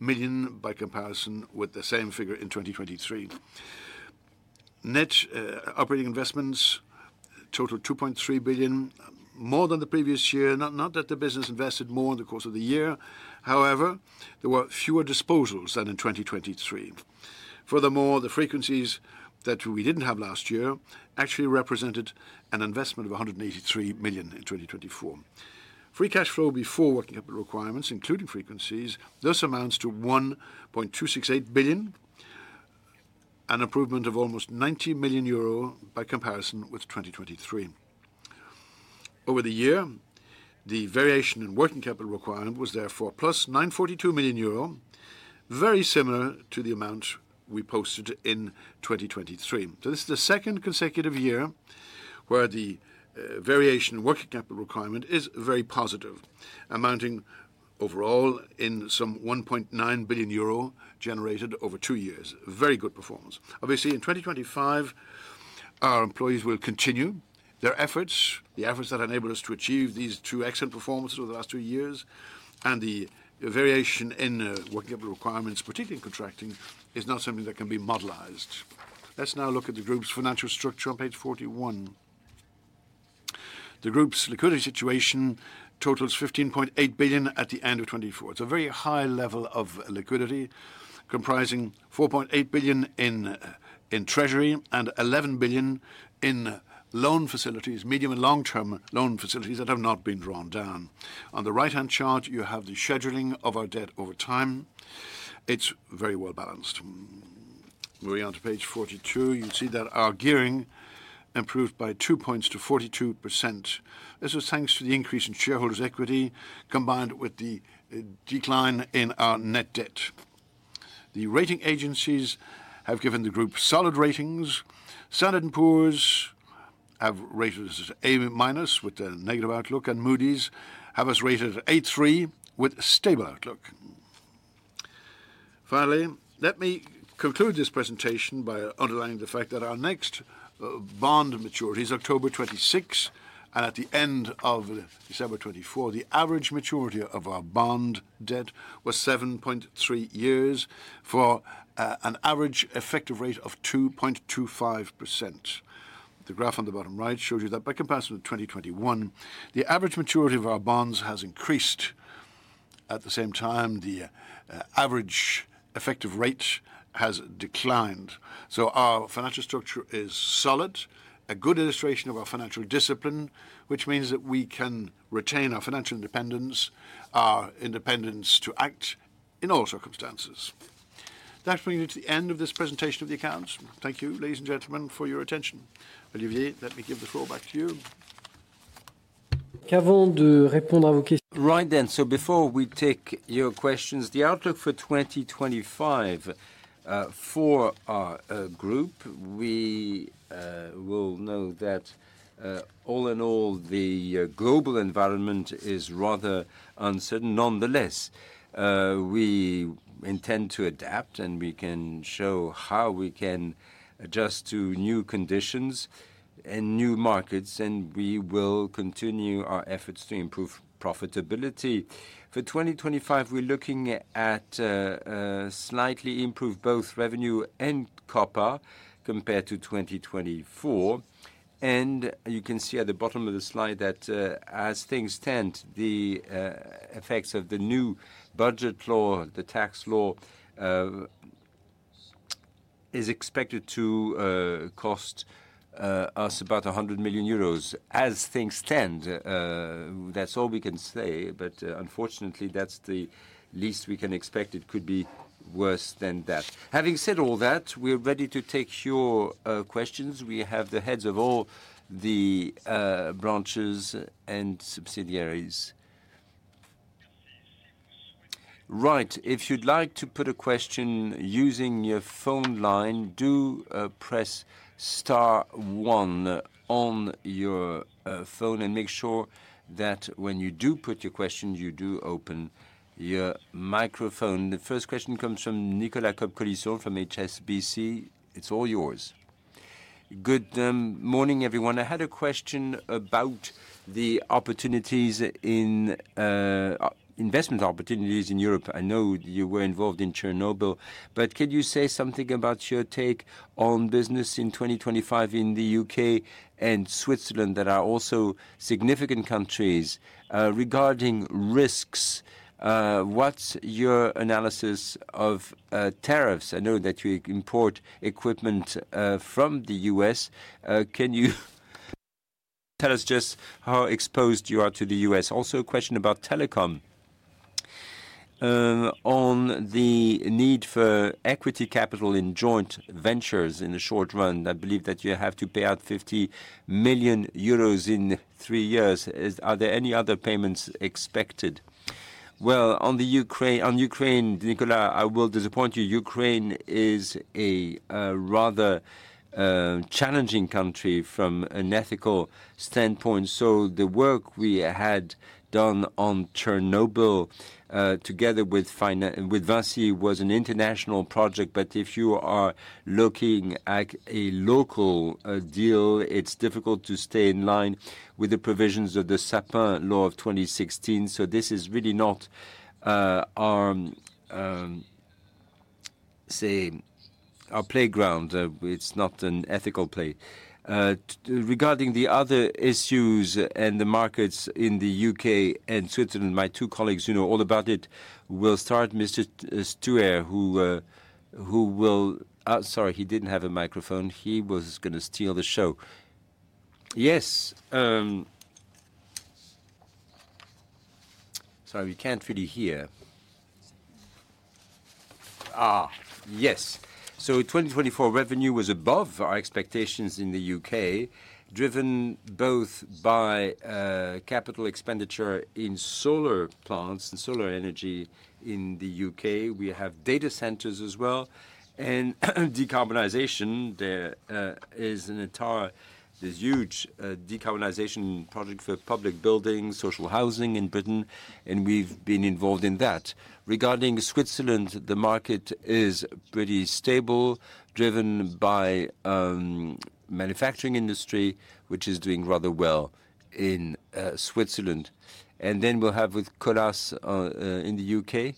million by comparison with the same figure in 2023. Net operating investments totaled billion more than the previous year, not that the business invested more in the course of the year. However, there were fewer disposals than in 2023. Furthermore, the frequencies that we didn't have last year actually represented an investment of million in 2024. Free cash flow before working capital requirements, including frequencies, thus amounts to billion, an improvement of almost million by comparison with 2023. Over the year, the variation in working capital requirement was therefore plus million, very similar to the amount we posted in 2023. So this is the second consecutive year where the variation in working capital requirement is very positive, amounting overall in some billion generated over two years, very good performance. Obviously, in 2025, our employees will continue their efforts, the efforts that enabled us to achieve these two excellent performance over the last two years, and the variation in working capital requirements, particularly in contracting, is not something that can be modelized. Let's now look at the group's financial structure on page 41. The group's liquidity situation totals billion at the end of twenty twenty four. It's a very high level of liquidity comprising billion in treasury and billion in loan facilities, medium and long term loan facilities that have not been drawn down. On the right hand chart, you have the scheduling of our debt over time. It's very well balanced. Moving on to Page 42, you see that our gearing improved by two points to 42%. This was thanks to the increase in shareholders' equity combined with the decline in our net debt. The rating agencies have given the group solid ratings. Standard and Poor's have rated A- with a negative outlook and Moody's have us rated A3 with a stable outlook. Finally, let me conclude this presentation by underlying the fact that our next bond maturities, October 26 and at the December '24, the average maturity of our bond debt was seven point three years for an average effective rate of 2.25%. The graph on the bottom right shows you that by comparison to 2021, the average maturity of our bonds has increased. At the same time, the average effective rate has declined. So our financial structure is solid, a good illustration of our financial discipline, which means that we can retain our financial independence, our independence to act in all circumstances. That brings you to the end of this presentation of the accounts. Thank you, ladies and gentlemen, for your attention. Olivier, let me give the call back to you. Right then. So before we take your questions, the outlook for 2025 for our group, we will know that all in all, the global environment is rather uncertain. Nonetheless, we intend to adapt, and we can show how we can adjust to new conditions and new markets, and we will continue our efforts to improve profitability. For 2025, we're looking at slightly improved both revenue and copper compared to 2024. And you can see at the bottom of the slide that as things stand, the effects of the new budget law, the tax law is expected to cost us about million. As things stand, that's all we can say. But unfortunately, that's the least we can expect. It could be worse than that. Having said all that, we are ready to take your questions. We have the heads of all the branches and subsidiaries. That when you do put your questions, you do open your microphone. The first question comes from Nicolas Corcoliso from HSBC. It's all yours. Good morning, everyone. I had a question about the opportunities in investment opportunities in Europe. I know you were involved in Chernobyl, but could you say something about your take on business in 2025 in The UK and Switzerland that are also significant countries. Regarding risks, what's your analysis of tariffs? I know that you import equipment from The U. S. Can you tell us just how exposed you are to The U. S? Also a question about telecom. On the need for equity capital in joint ventures in the short run, I believe that you have to pay out €50,000,000 in three years. Are there any other payments expected? Well, on Ukraine, Nicolas, I will disappoint you. Ukraine is a rather challenging country from an ethical standpoint. So the work we had done on Chernobyl together with Vasi was an international project. But if you are looking at a local deal, it's difficult to stay in line with the provisions of the Sapa Law of 2016. So this is really not our playground. It's not an ethical play. Regarding the other issues and the markets in The U. K. And Switzerland, my two colleagues, you know all about it. We'll start Mr. Stouer, who will sorry, he didn't have a microphone. He was going to steal the show. Yes. Sorry, we can't really hear. Yes. So 2024 revenue was above our expectations in The UK, driven both by capital expenditure in solar plants and solar energy in The UK. We have data centers as well. And decarbonization, there is an entire this huge decarbonization project for public buildings, social housing in Britain, and we've been involved in that. Regarding Switzerland, the market is pretty stable, driven by manufacturing industry, which is doing rather well in Switzerland. And then we'll have with Colas in The UK.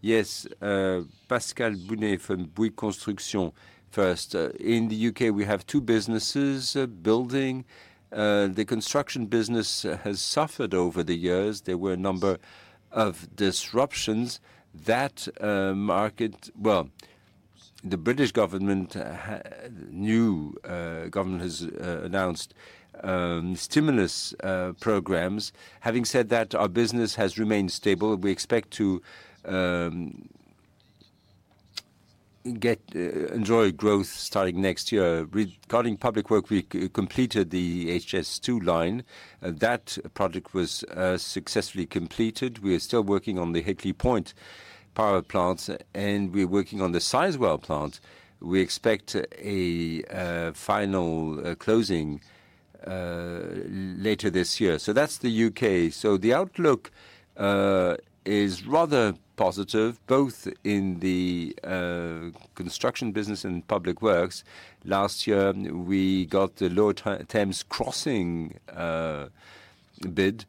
Yes, Pascal Bounet from Bouygues Construction first. In The UK, we have two businesses building. The construction business has suffered over the years. There were a number of disruptions. That market well, the British government new government has announced stimulus programs. Having said that, our business has remained stable. We expect to get enjoy growth starting next year. Regarding public work, we completed the HS2 line. That project was successfully completed. We are still working on the Hickley Point power plants and we're working on the Seyswell plant. We expect a final closing later this year. So that's The UK. So the outlook is rather positive, both in the construction business and public works. Last year, we got the low Thames Crossing bid.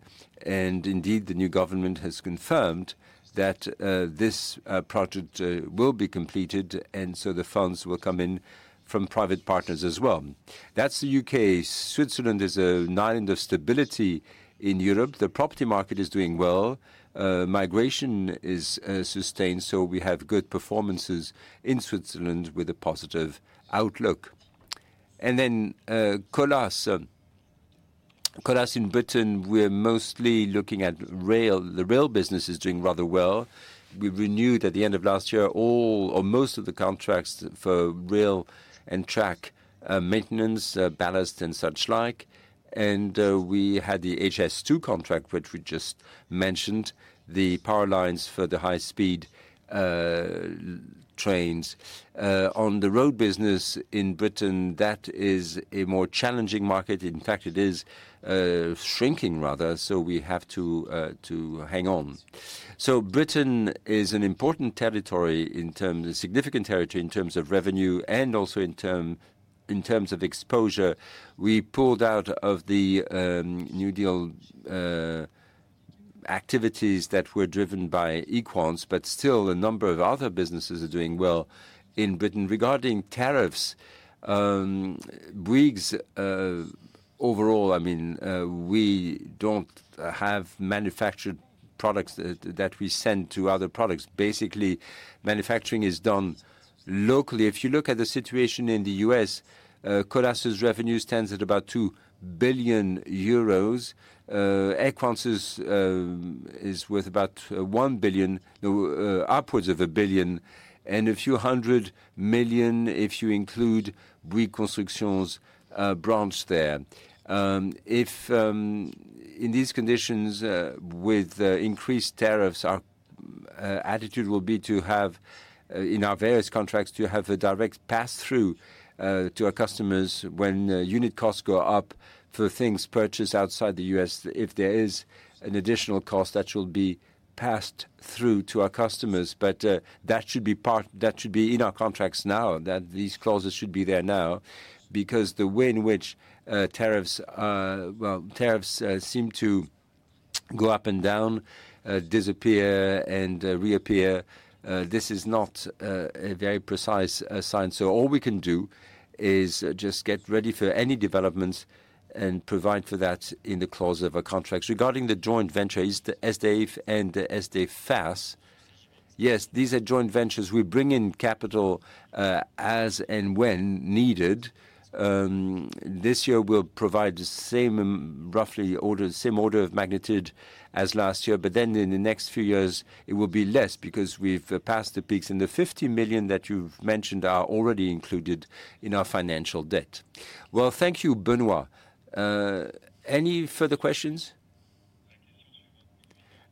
And indeed, the new government has confirmed that this project will be completed, and so the funds will come in from private partners as well. That's The UK. Switzerland is an island of stability in Europe. The property market is doing well. Migration is sustained, so we have good performances in Switzerland with a positive outlook. And then Colas in Britain, we're mostly looking at rail. The rail business is doing rather well. We renewed at the end of last year all or most of the contracts for rail and track maintenance, ballast and such like. And we had the HS2 contract, which we just mentioned, the power lines for the high speed trains. On the road business in Britain, that is a more challenging market. In fact, it is shrinking rather, so we have to hang on. So Britain is an important territory in terms a significant territory in terms of revenue and also in terms of exposure. We pulled out of the New Deal activities that were driven by equants, but still a number of other businesses are doing well in Britain. Regarding tariffs, Bouygues, overall, I mean, we don't have manufactured products that we send to other products. Basically, manufacturing is done locally. If you look at the situation in The U. S, Colas' revenue stands at about billion. Air France is worth about billion, upwards of billion and a few million if you include Bouygues Construction's branch there. If in these conditions with increased tariffs, our attitude will be to have in our various contracts to have a direct pass through to our customers when unit costs go up for things purchased outside The U. S. If there is an additional cost that should be passed through to our customers. But that should be part that should be in our contracts now that these clauses should be there now because the way in which tariffs seem to go up and down, disappear and reappear, this is not a very precise sign. So all we can do is just get ready for any developments and provide for that in the clause of our contracts. Regarding the joint venture is the EsdEF and EsdEFAS, yes, these are joint ventures. We bring in capital as and when needed. This year will provide the same roughly order same order of magnitude as last year. But then in the next few years, it will be less because we've passed the peaks. And the million that you've mentioned are already included in our financial debt. Well, thank you, Benoit. Any further questions?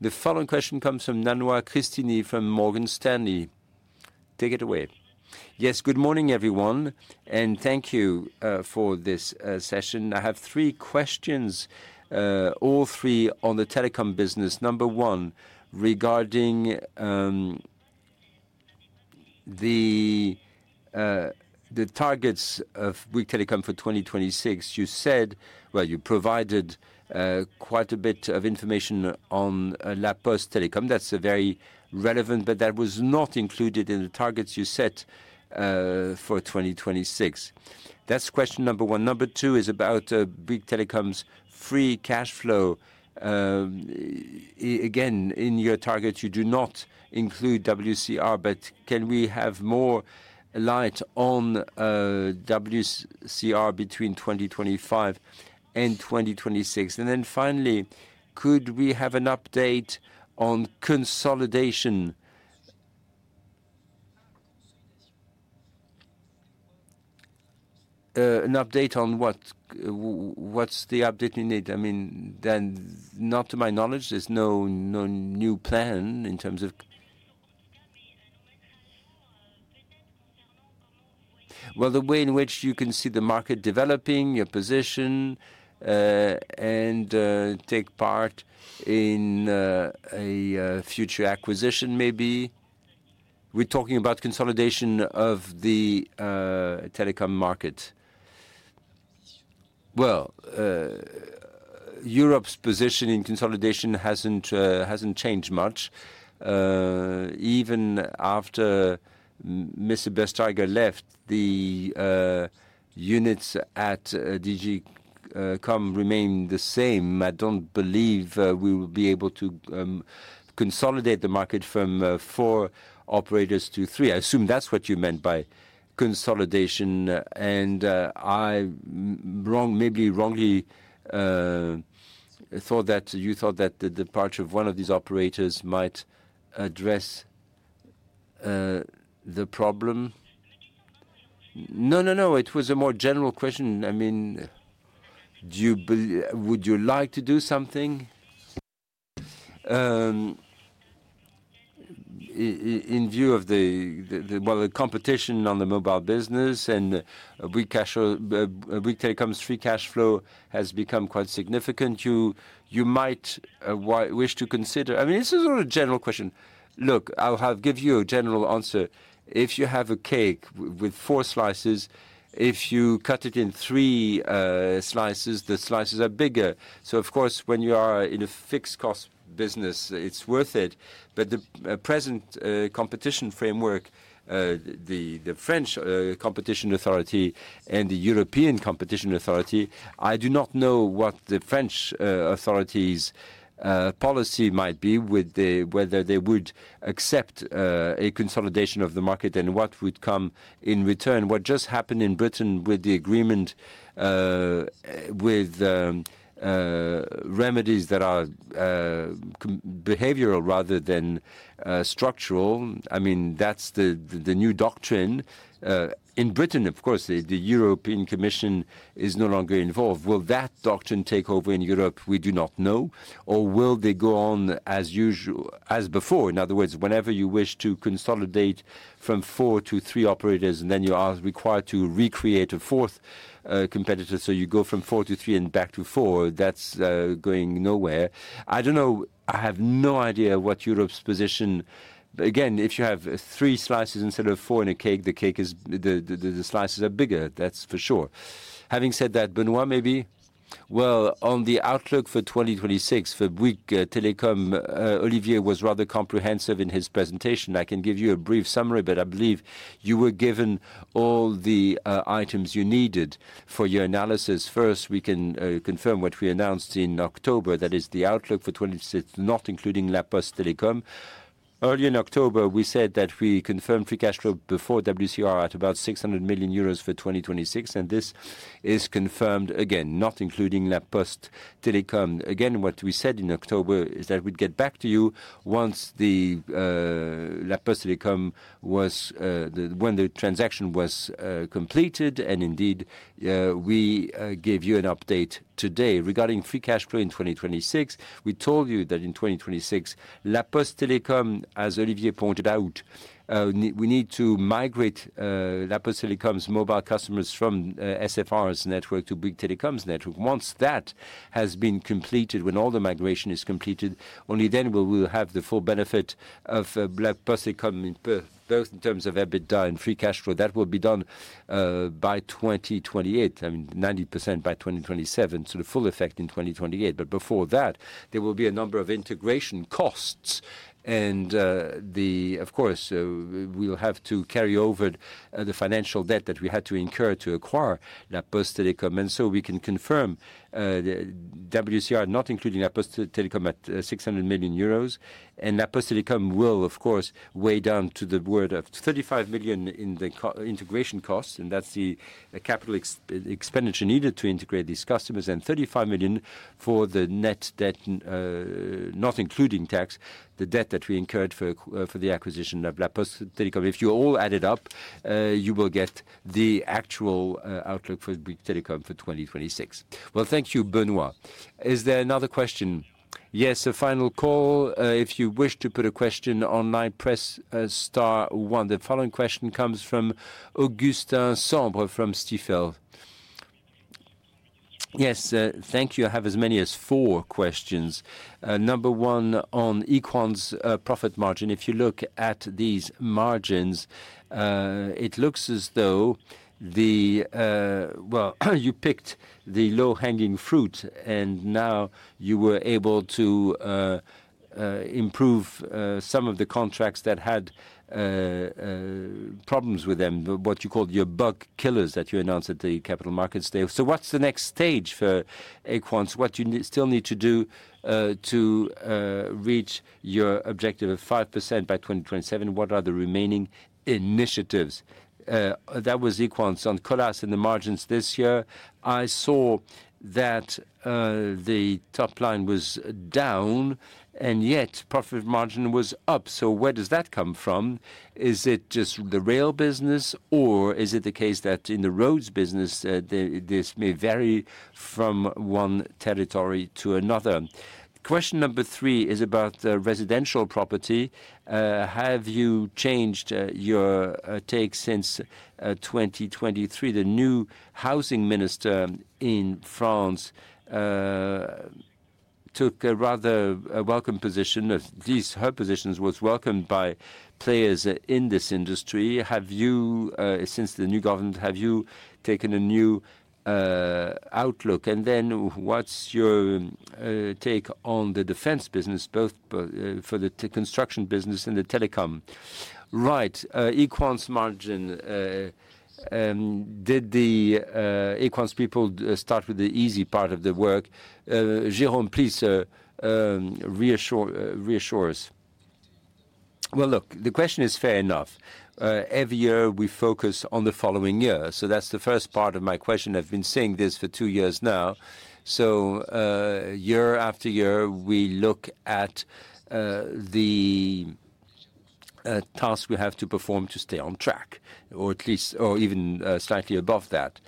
The following question comes from Nanua Cristini from Morgan Stanley. Take it away. Yes, good morning, everyone, and thank you for this session. I have three questions, all three on the telecom business. Number one, regarding the targets of Bouygues Telecom for 2026. You said well, you provided quite a bit of information on La Post Telecom. That's a very relevant, but that was not included in the targets you set for 2026. That's question number one. Number two is about Big Telecom's free cash flow. Again, in your target, you do not include WCR, but can we have more light on WCR between 2025 and 2026? And then finally, could we have an update on consolidation? An update on what's the update you need? I mean, then not to my knowledge, there's no new plan in terms of well, the way in which you can see the market developing, your position and take part in a future acquisition maybe. We're talking about consolidation of the telecom market. Well, Europe's position in consolidation hasn't changed much, Even after Mr. Best Tiger left, the units at Digicom remained the same. I don't believe we will be able to consolidate the market from four operators to three. I assume that's what you meant by consolidation. And I maybe wrongly thought that you thought that the departure of one of these operators might address the problem? No, no, no. It was a more general question. I mean, do you would you like to do something? In view of the competition on the mobile business and a weak take home free cash flow has become quite significant? You might wish to consider I mean, this is a general question. Look, I'll give you a general answer. If you have a cake with four slices, if you cut it in three slices, the slices are bigger. So of course, when you are in a fixed cost business, it's worth it. But the present competition framework, the French competition authority and the European competition authority, I do not know what the French authority's policy might be with the whether they would accept a consolidation of the market and what would come in return. What just happened in Britain with the agreement with remedies that are behavioral rather than structural. I mean, that's the new doctrine. In Britain, of course, the European Commission is no longer involved. Will that doctrine take over in Europe? We do not know. Or will they go on as usual as before? In other words, whenever you wish to consolidate from four to three operators and then you are required to recreate a fourth competitor. So you go from four to three and back to four, that's going nowhere. I don't know, I have no idea what Europe's position. Again, if you have three slices instead of four in a cake, the cake is the slices are bigger, that's for sure. Having said that, Benoit, maybe well, on the outlook for 2026, Fabrique Telecom, Olivier was rather comprehensive in his presentation. I can give you a brief summary, but I believe you were given all the items you needed for your analysis. First, we can confirm what we announced in October. That is the outlook for 2026 not including La Post Telecom. Early in October, we said that we confirmed free cash flow before WCR at about million for 2026. And this is confirmed again, not including La Post Telecom. Again, what we said in October is that we'd get back to you once the La Post Telecom was when the transaction was completed. And indeed, we gave you an update today regarding free cash flow in 2026. We told you that in 2026, La Post Telecom, as Olivier pointed out, we need to migrate La Post Telecom's mobile customers from SFR's network to Bouygues Telecom's network. Once that has been completed, when all the migration is completed, only then will we have the full benefit of La Post Telecom both in terms of EBITDA and free cash flow. That will be done by 2028, I mean 90% by 2027, so the full effect in 2028. But before that, there will be a number of integration costs. And the of course, we will have to carry over the financial debt that we had to incur to acquire La Post Telecom. And so we can confirm the WCR not including La Post Telecom at million And Apos Telecom will, of course, weigh down to the word of million in the integration costs and that's the capital expenditure needed to integrate these customers and million for the net debt not including tax, the debt that we incurred for the acquisition of La Post Telecom. If you all add it up, you will get the actual outlook for Bouygues Telecom for 2026. Well, thank you, Benoit. Is there another question? Yes, a final call. If you wish to put a question online, press 1. The following question comes from Augustin Sombra from Stifel. Yes, thank you. I have as many as four questions. Number one on Equan's profit margin. If you look at these margins, it looks as though the well, you picked the low hanging fruit and now you were able to improve some of the contracts that had problems with them, what you called your bug killers that you announced at the Capital Markets Day. So what's the next stage for Equance? What you still need to do to reach your objective of 5% by 2027? What are the remaining initiatives? That was Equance. On Colas in the margins this year, I saw that the top line was down and yet profit margin was up. So where does that come from? Is it just the rail business? Or is it the case that in the roads business, this may vary from one territory to another? Question number three is about residential property. Have you changed your take since 2023? The new housing minister in France took a rather welcome position. Her positions was welcomed by players in this industry. Have you since the new government, have you taken a new outlook? And then what's your take on the defense business, both for the construction business and the telecom? Right. Equance margin, did the Equance people start with the easy part of the work? Jerome, please reassure us. Well, look, the question is fair enough. Every year, we focus on the following year. So that's the first part of my question. I've been saying this for two years now. So year after year, we look at the task we have to perform to stay on track or at least or even slightly above that.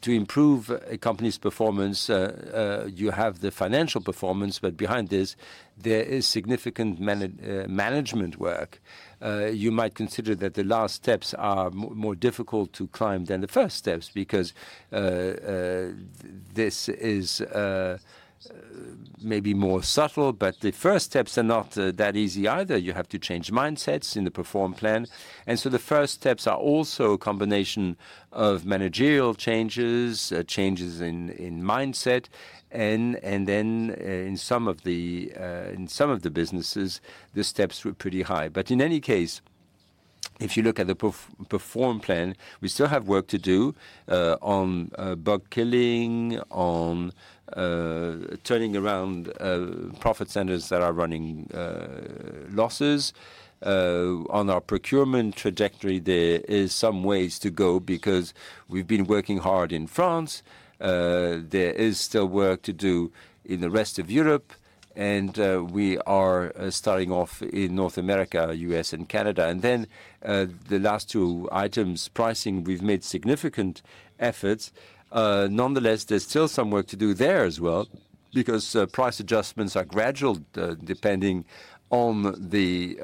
To improve a company's performance, you have the financial performance. But behind this, there is significant management work. You might consider that the last steps are more difficult to climb than the first steps because this is maybe more subtle, but the first steps are not that easy either. You have to change mindsets in the PERFORM plan. And so the first steps are also a combination of managerial changes, changes in mindset And then in some of the businesses, the steps were pretty high. But in any case, if you look at the PERFORM plan, we still have work to do on bug killing, on turning around profit centers that are running losses. On our procurement trajectory, there is some ways to go because we've been working hard in France. There is still work to do in the rest of Europe. And we are starting off in North America, U. S. And Canada. And then the last two items, pricing, we've made significant efforts. Nonetheless, there's still some work to do there as well because price adjustments are gradual depending on the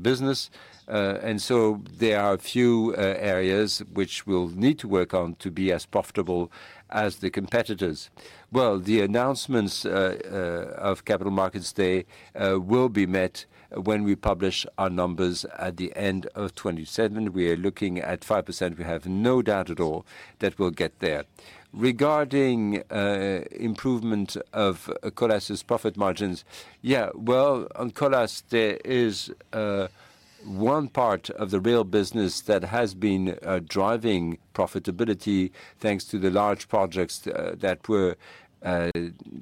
business. And so there are a few areas which we'll need to work on to be as profitable as the competitors. Well, the announcements of Capital Markets Day will be met when we publish our numbers at the end of twenty twenty seven. We are looking at 5%. We have no doubt at all that we'll get there. Regarding improvement of Colas' profit margins, yes, well, on Colas, there is one part of the rail business that has been driving profitability, thanks to the large projects that were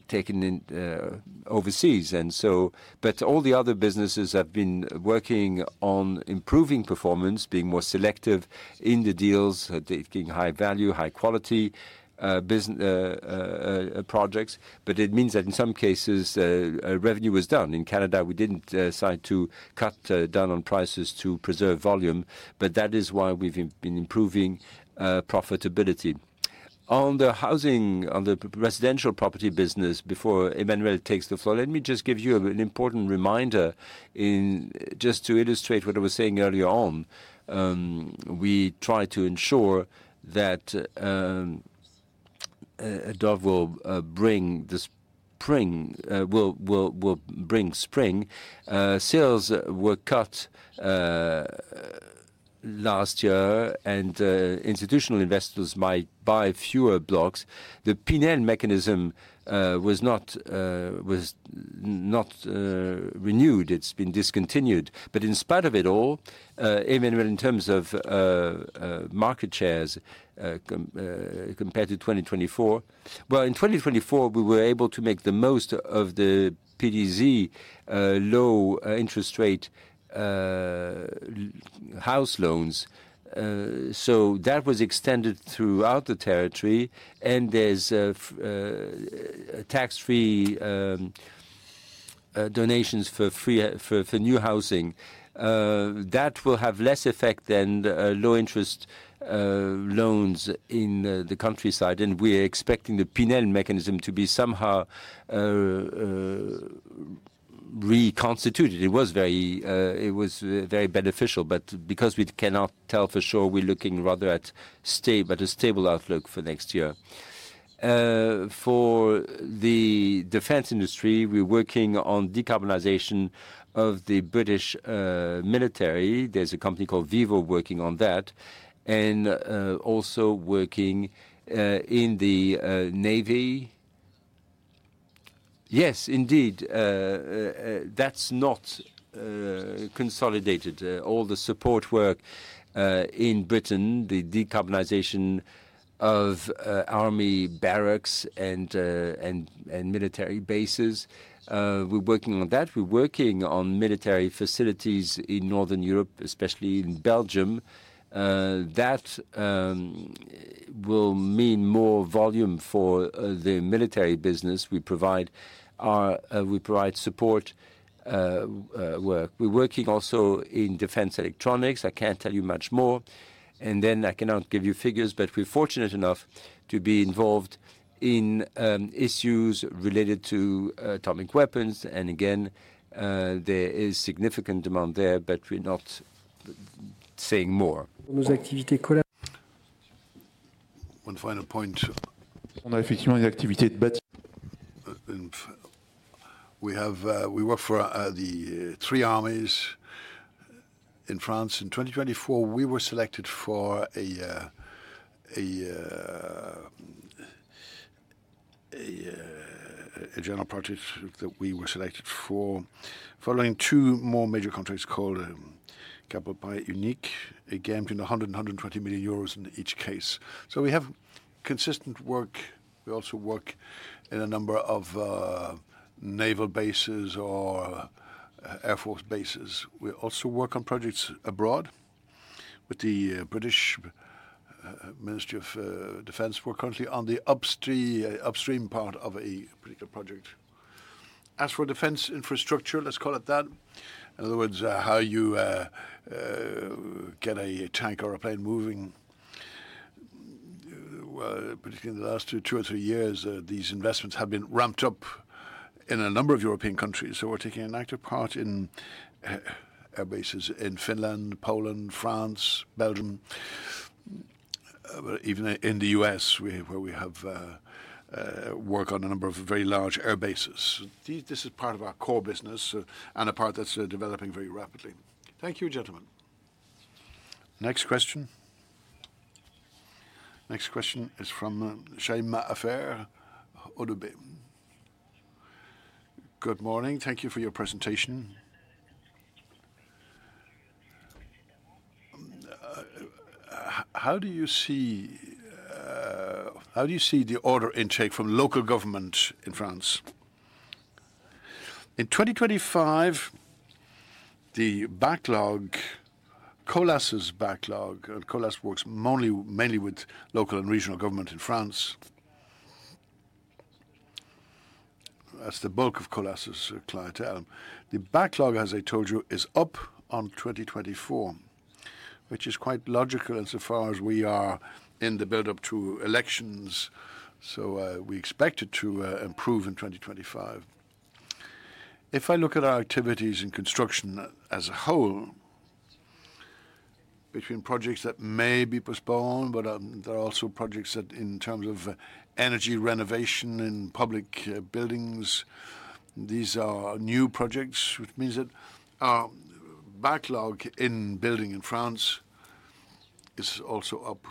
taken overseas. And so but all the other businesses have been working on improving performance, being more selective in the deals, taking high value, high quality projects. But it means that in some cases, revenue was done. In Canada, we didn't decide to cut down on prices to preserve volume, but that is why we've been improving profitability. On the housing on the residential property business before Emmanuel takes the floor, let me just give you an important reminder in just to illustrate what I was saying earlier on. We try to ensure that Dov will bring spring. Sales were cut last year and institutional investors might buy fewer blocks. The P and N mechanism was not renewed. It's been discontinued. But in spite of it all, Emmanuel, in terms of market shares compared to 2024, Well, in 2024, we were able to make the most of the PDZ low interest rate house loans. So that was extended throughout the territory and there's tax free donations for new housing. That will have less effect than low interest loans in the countryside. And we are expecting the PNNL mechanism to be somehow reconstituted. It was very beneficial, but because we cannot tell for sure, we're looking rather at stay but a stable outlook for next year. For the defense industry, we're working on decarbonization of the British military. There's a company called Vivo working on that and also working in the Navy. Yes, indeed, that's not consolidated. All the support work in Britain, the decarbonization of army barracks and military bases, we're working on that. We're working on military facilities in Northern Europe, especially in Belgium. That will mean more volume for the military business. We provide support work. We're working also in defense electronics. I can't tell you much more. And then I cannot give you figures, but we're fortunate enough to be involved in issues related to atomic weapons. And again, there is significant demand there, but we're not saying more. One final point. We have we work for the three armies in France. In 2024, we were selected for a general project that we were selected for following two more major countries called Kapopay Unique, again between million and million in each case. So we have consistent work. We also work in a number of naval bases or air force bases. We also work on projects abroad with the British Ministry of Defense. We're currently on the upstream part of a particular project. As for defense infrastructure, let's call it that. In other words, how you get a tank or a plane moving, particularly in the last two or three years, these investments have been ramped up in a number of European countries. So we're taking an active part in air bases in Finland, Poland, France, Belgium, even in The U. S, where we have worked on a number of very large air bases. This is part of our core business and a part that's developing very rapidly. Next question is from Shaymah Affair, Odube. Good morning. Thank you for your presentation. How do you see the order intake from local government in France? In 2025, the backlog, Colas' backlog, Colas works mainly with local and regional government in France, that's the bulk of Colas' clientele. The backlog, as I told you, is up on 2024, which is quite logical insofar as we are in the build up to elections. So we expect it to improve in 2025. If I look at our activities in construction as a whole, between projects that may be postponed, but there are also projects that in terms of energy renovation in public buildings, these are new projects, which means that backlog in building in France is also up.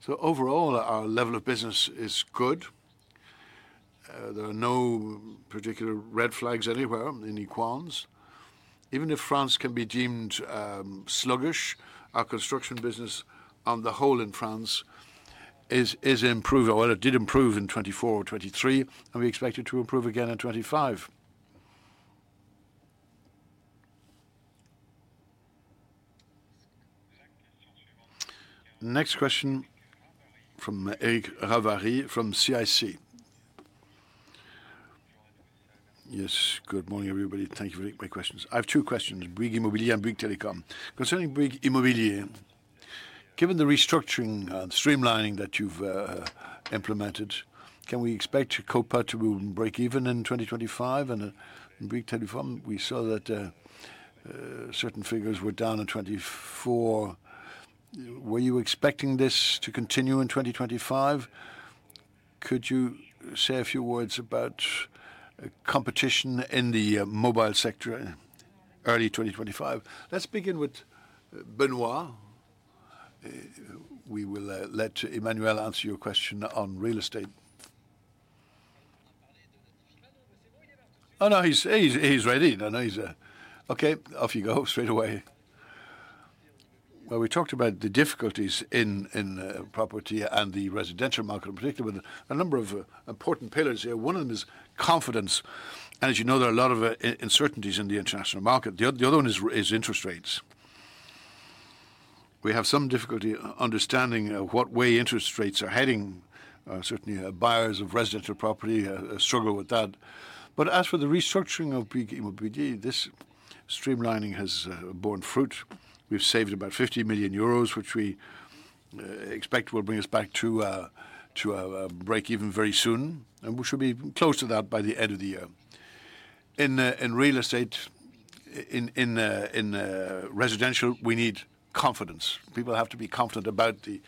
So overall, our level of business is good. There are no particular red flags anywhere in the equans. Even if France can be deemed sluggish, our construction business on the whole in France is improved well, it did improve in 'twenty four or 'twenty three, and we expect it to improve again in 'twenty five. Next question from Eric Ravari from CIC. Yes, good morning, everybody. Thank you for taking my questions. I have two questions, Brig Immobilier and Brig Telecom. Concerning Bouygues Immobilier, given the restructuring streamlining that you've implemented, can we expect Copa to breakeven in 2025? And Bouygues Telecom, we saw that certain figures were down in 2024. Were you expecting this to continue in 2025? Could you say a few words about competition in the mobile sector early twenty twenty five. Let's begin with Benoit. We will let Emmanuel answer your question on real estate. Oh, no, he's ready. Okay, off you go straight away. Well, we talked about the difficulties in property and the residential market, particularly with a number of important pillars here. One of them is confidence. And as you know, there are a lot of uncertainties in the international market. The other one is interest rates. We have some difficulty understanding what way interest rates are heading. Certainly, buyers of residential property struggle with that. But as for the restructuring of BMOPG, this streamlining has borne fruit. We've saved about million, which we expect will bring us back to breakeven very soon, and we should be close to that by the end of the year. In Real Estate, in Residential, we need confidence. People have to be confident about the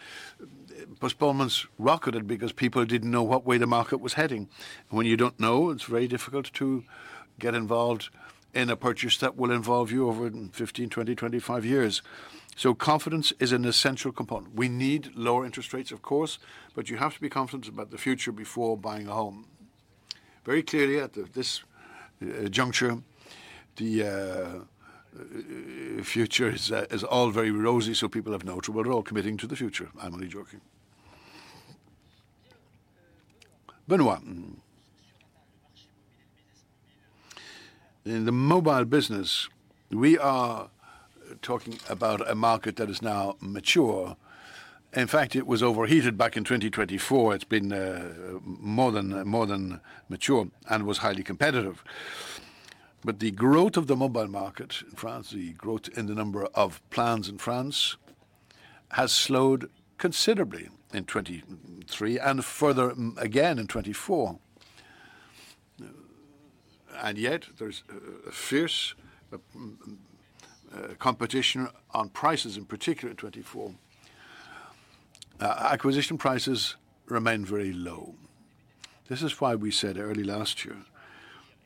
postponements rocketed because people didn't know what way the market was heading. When you don't know, it's very difficult to get involved in a purchase that will involve you over fifteen, twenty, twenty five years. So confidence is an essential component. We need lower interest rates, of course, but you have to be confident about the future before buying a home. Very clearly, at this juncture, the future is all very rosy, so people have noted, but we're all committing to the future. I'm only joking. Benoit, in the mobile business, we are talking about a market that is now mature. In fact, it was overheated back in 2024. It's been more than mature and was highly competitive. But the growth of the mobile market in France, the growth in the number of plans in France has slowed considerably in 'twenty three and further again in 'twenty four. And yet, there's a fierce competition on prices, in particular in 'twenty four. Acquisition prices remain very low. This is why we said early last year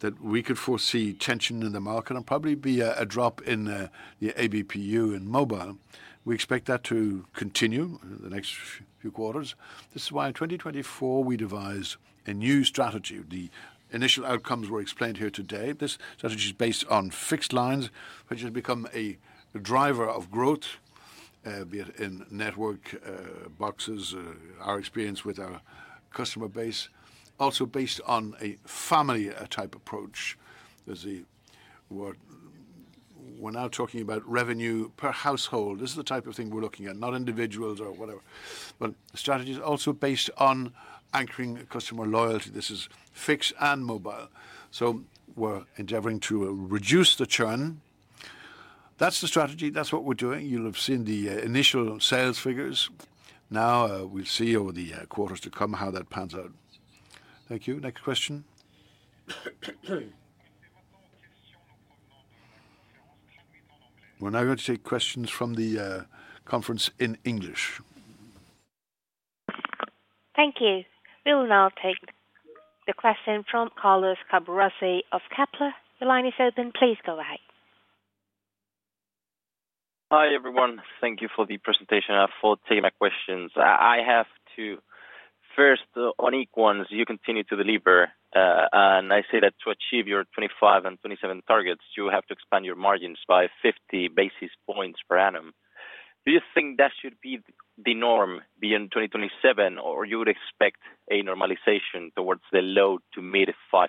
that we could foresee tension in the market and probably be a drop in the ABPU in mobile. We expect that to continue in the next few quarters. This is why in 2024, we devised a new strategy. The initial outcomes were explained here today. This strategy is based on fixed lines, which has become a driver of growth, in network boxes, our experience with our customer base, also based on a family type approach. We're now talking about revenue per household. This is the type of thing we're looking at, not individuals or whatever. But the strategy is also based on anchoring customer loyalty. This is fixed and mobile. So we're endeavoring to reduce the churn. That's the strategy. That's what we're doing. You'll have seen the initial sales figures. Now we'll see over the quarters to come how that pans out. Thank you. Next question. We're now going to take questions from the conference in English. Thank you. We will now take the question from Carlos Cabarrasse of Kepler. Your line is open. Please go ahead. Hi, everyone. Thank you for the presentation and for taking my questions. I have two. First, on Equinix, you continue to deliver. And I say that to achieve your twenty five and twenty seven targets, you have to expand your margins by 50 basis points per annum. Do you think that should be the norm be in 2027 or you would expect a normalization towards the low to mid 5%?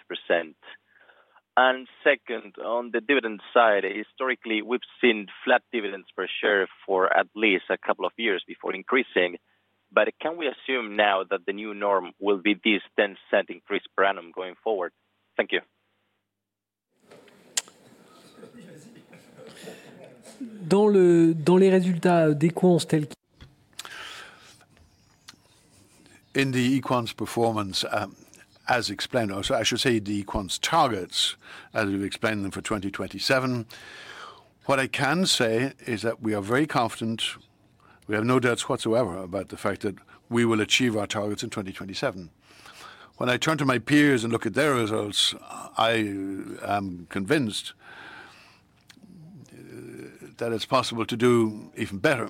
And second, on the dividend side, historically, we've seen flat dividends per share for at least a couple of years before increasing. But can we assume now that the new norm will be this $0.1 increase per annum going forward? Thank you. In the Equants performance, as explained or so I should say the Equance targets as we've explained them for 2027. What I can say is that we are very confident. We have no doubts whatsoever about the fact that we will achieve our targets in 2027. When I turn to my peers and look at their results, I am convinced that it's possible to do even better.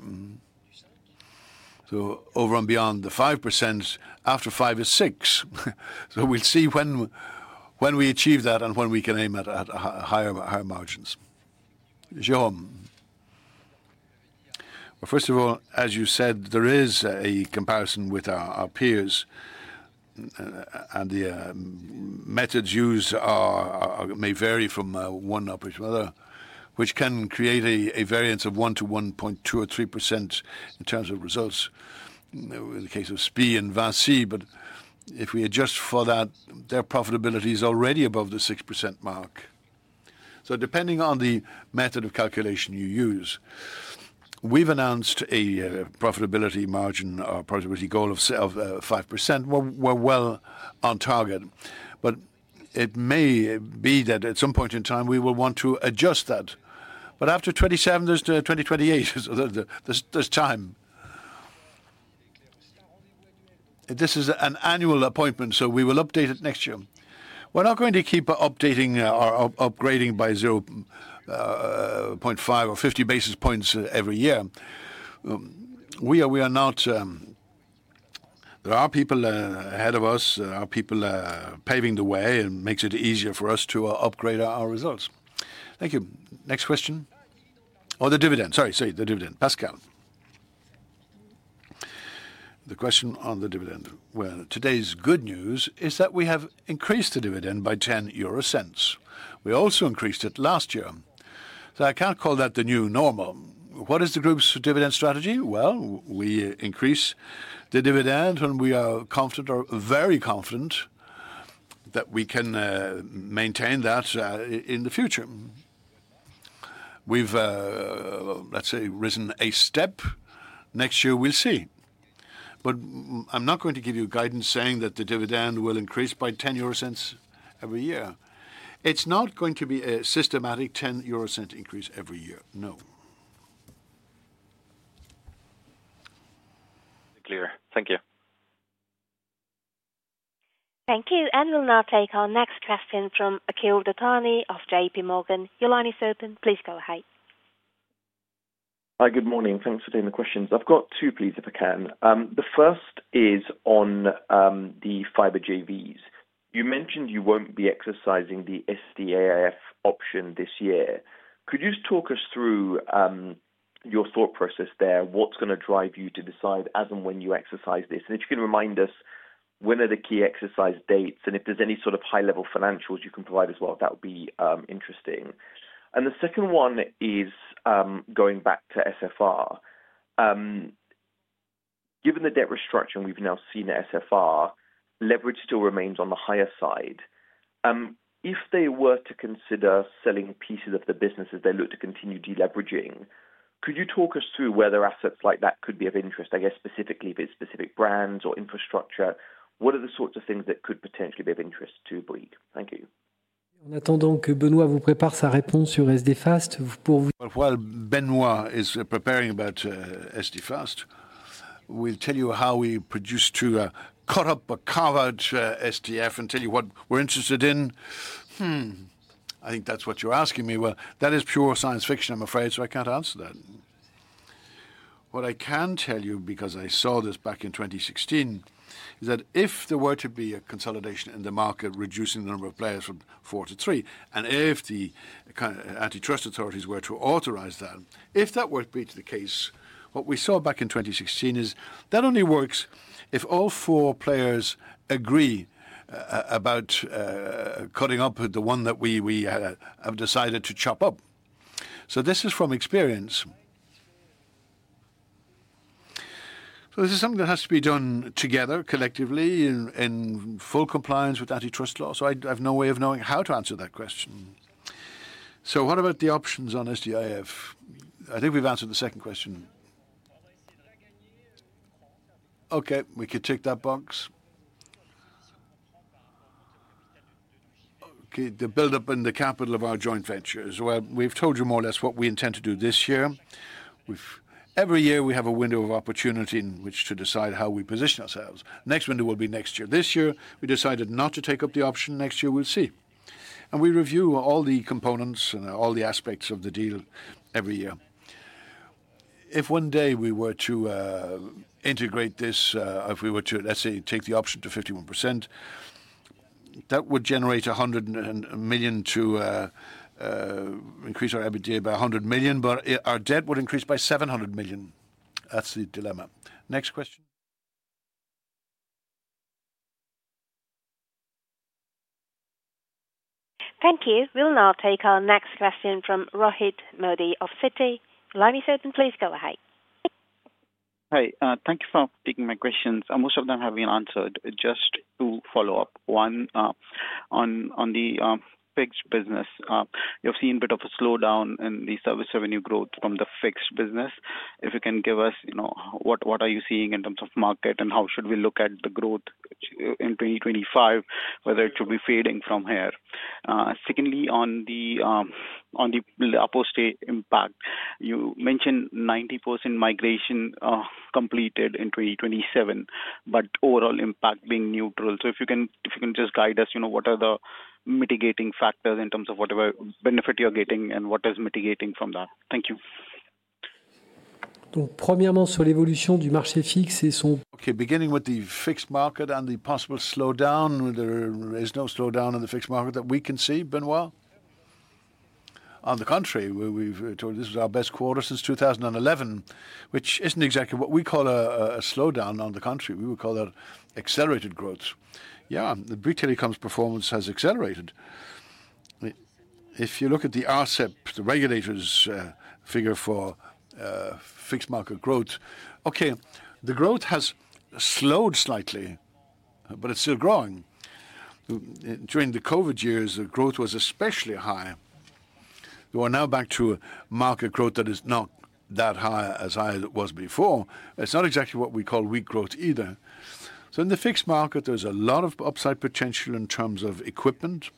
So over and beyond the 5%, after 5% is 6%. So we'll see when we achieve that and when we can aim that at higher margins. Jean? Well, first of all, as you said, there is a comparison with our peers and the methods used may vary from one operator to other, which can create a variance of 1% to 1.2% or 3% in terms of results in the case of SPE and VASI. But if we adjust for that, their profitability is already above the 6% mark. So depending on the method of calculation you use, we've announced a profitability margin or profitability goal of 5%. We're well on target. But it may be that at some point in time, we will want to adjust that. But after '27, there's the 2028, there's time. This is an annual appointment, so we will update it next year. We're not going to keep updating or upgrading by 0.5 or 50 basis points every year. We are not there are people ahead of us. There are people paving the way and makes it easier for us to upgrade our results. Next question. Oh, the dividend. Sorry, sorry, the dividend. Pascal. The question on the dividend. Well, today's good news is that we have increased the dividend by We also increased it last year. So I can't call that the new normal. What is the group's dividend strategy? Well, we increase the dividend and we are confident or very confident that we can maintain that in the future. We've, let's say, risen a step. Next year, we'll see. But I'm not going to give you guidance saying that the dividend will increase by every year. It's not going to be a systematic increase every year, no. Clear. Thank you. Thank you. And we'll now take our next question from Akhil Duthani of JPMorgan. Your line is open. Please go ahead. Hi, good morning. Thanks for taking the questions. I've got two, please, if I can. The first is on the fiber JVs. You mentioned you won't be exercising the SDIF option this year. Could you just talk us through your thought process there? What's going to drive you to decide as and when you remind us when are the key exercise dates and if there's any sort of high level financials you can provide as well, that would be interesting. And the second one is, going back to SFR. Given the debt restructuring we've now seen at SFR, leverage still remains on the higher side. If they were to consider selling pieces of the business as they look to continue deleveraging, Could you talk us through whether assets like that could be of interest, I guess, specifically, if it's specific brands or infrastructure? What are the sorts of things that could potentially be of interest to Bouygues? Thank you. While Benoit is preparing about SD Fast, we'll tell you how we produce to cut up a coverage, SDF and tell you what we're interested in. I think that's what you're asking me. Well, that is pure science fiction, I'm afraid, so I can't answer that. What I can tell you because I saw this back in 2016 is that if there were to be a consolidation in the market reducing the number of players from four to three and if the kind of antitrust authorities were to authorize that, if that would be the case, what we saw back in 2016 is that only works if all four players agree about cutting up with the one that we have decided to chop up. So this is from experience. So this is something that has to be done together collectively in full compliance with antitrust law. So I have no way of knowing how to answer that question. So what about the options on SDIF? I think we've answered the second question. Okay. We could tick that box. Okay. The build up in the capital of our joint ventures. Well, we've told you more or less what we intend to do this year. Every year, we have a window of opportunity in which to decide how we position ourselves. Next window will be next year. This year, we decided not to take up the option. Next year, we'll see. And we review all the components and all the aspects of the deal every year. If one day we were to integrate this, if we were to, let's say, take the option to 51%, that would generate million to increase our EBITDA by million, but our debt would increase by million. That's the dilemma. Next question. Thank you. We'll now take our next question from Rohit Modi of Citi. Hi. Thank you for taking my questions. Most of them have been answered. Just two follow-up. One, on the fixed business. You have seen bit of a slowdown in the service revenue growth from the fixed business. If you can give us what are you seeing in terms of market and how should we look at the growth in 2025 whether it should be fading from here? Secondly, on the post date impact, you mentioned 90% migration completed in 2027, but overall impact being neutral. So if you can just guide us what are the mitigating factors in terms of whatever benefit you're getting and what is mitigating from that? Thank you. Okay. Beginning with the fixed market and the possible slowdown, there is no slowdown in the fixed market that we can see, Benoit? On the contrary, we've told this is our best quarter since 2011, which isn't exactly what we call a slowdown on the contrary. We would call that accelerated growth. Yes, the Brit telecoms performance has accelerated. If you look at the RCEP, the regulators figure for fixed market growth, okay, the growth has slowed slightly, but it's still growing. During the COVID years, the growth was especially high. We are now back to market growth that is not that high as high as it was before. It's not exactly what we call weak growth either. So in the fixed market, there's a lot of upside potential in terms of equipment.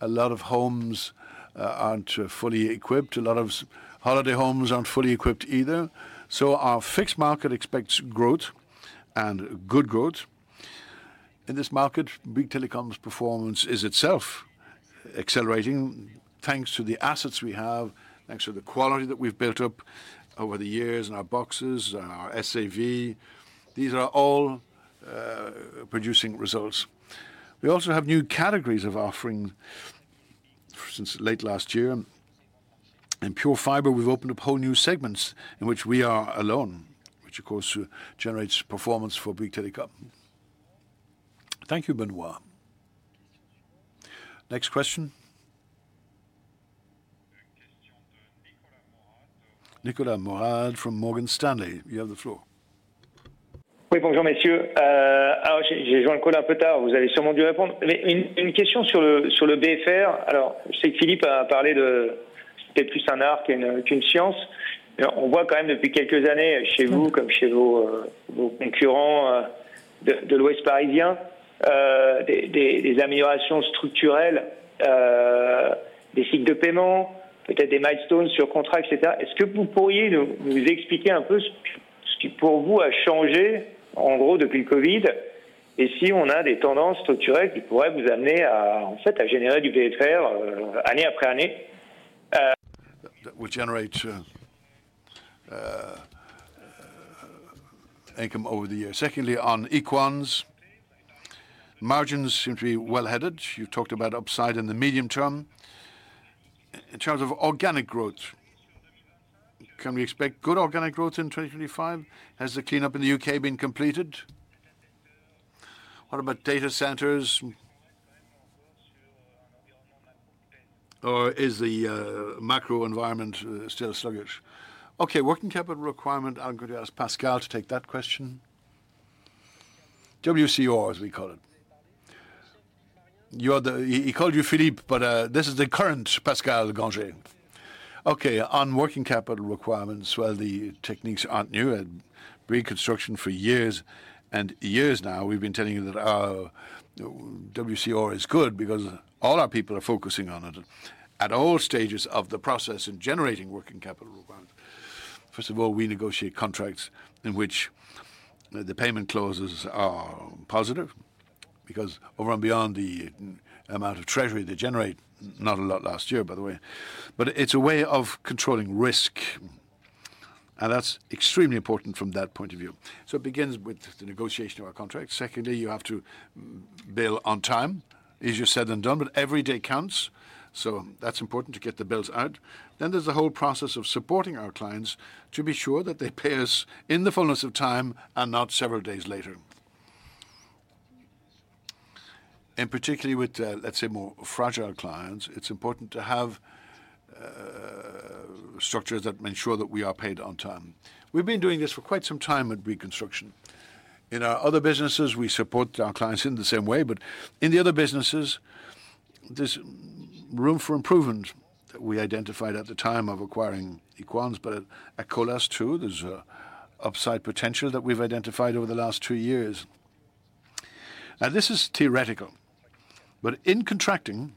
A lot of homes aren't fully equipped. A lot of holiday homes aren't fully equipped either. So our fixed market expects growth and good growth. In this market, Big Telecom's performance is itself accelerating, thanks to the assets we have, thanks to the quality that we've built up over the years in our boxes, our SAV. These are all producing results. We also have new categories of offering since late last year. In PureFibre, we've opened up whole new segments in which we are alone, which of course generates performance for Bouygues Telecom. Thank you, Benoit. Next question? Nicolas Mourad from Morgan Stanley, you have the floor. Which generates income over the years. Secondly, on EQANs, margins seem to be well headed. You talked about upside in the medium term. In terms of organic growth, can we expect good organic growth in 2025? Has the cleanup in The U. K. Been completed? What about data centers? Or is the macro environment still sluggish? Okay. Working capital requirement, I'm going to ask Pascal to take that question. WCOR as we call it. You are the he called you Philippe, but this is the current Pascal Grande. Okay. On working capital requirements, while the techniques aren't new at reconstruction for years and years now, we've been telling you that our WCR is good because all our people are focusing on it at all stages of the process in generating working capital. First of all, we negotiate contracts in which the payment clauses are positive because over and beyond the amount of treasury they generate, not a lot last year, by the way. But it's a way of controlling risk, and that's extremely important from that point of view. So it begins with the negotiation of our contract. Secondly, you have to bill on time. It's just said and done, but every day counts. So that's important to get the bills out. Then there's a whole process of supporting our clients to be sure that they pay us in the fullness of time and not several days later. And particularly with, let's say, more fragile clients, it's important to have structures that make sure that we are paid on time. We've been doing this for quite some time at reconstruction. In our other businesses, we support our clients in the same way. But in the other businesses, there's room for improvement we identified at the time of acquiring Equans. But at Colas, too, there's upside potential that we've identified over the last two years. This is theoretical. But in contracting,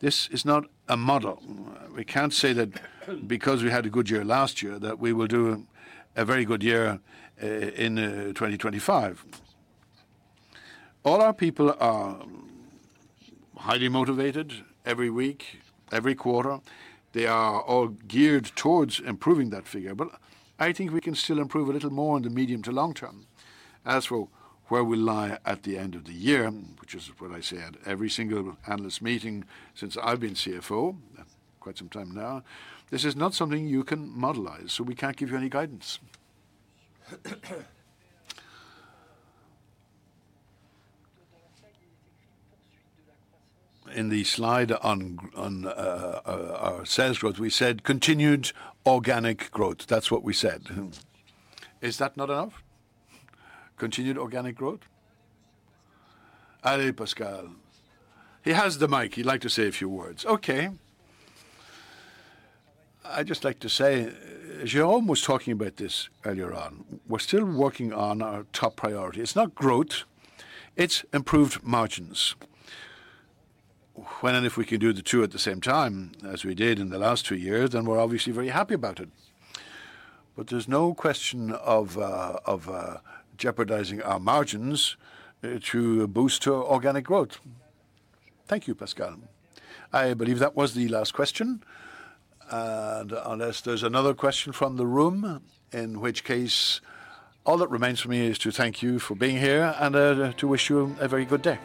this is not a model. We can't say that because we had a good year last year that we will do a very good year in 2025. All our people are highly motivated every week, every quarter. They are all geared towards improving that figure. But I think we can still improve a little more on the medium to long term as well where we lie at the end of the year, which is what I say at every single analyst meeting since I've been CFO quite some time now, this is not something you can modelize. So we can't give you any guidance. In the slide on our sales growth, we said continued organic growth. That's what we said. Is that not enough? Continued organic growth? He has the mic. He'd like to say a few words. Okay. I'd just like to say, Jerome was talking about this earlier on. We're still working on our top priority. It's not growth, it's improved margins. When and if we can do the two at the same time as we did in the last two years, then we're obviously very happy about it. But there's no question of jeopardizing our margins to boost organic growth. Thank you, Pascal. I believe that was the last question. And unless there's another question from the room, in which case all that remains for me is to thank you for being here and to wish you a very good day.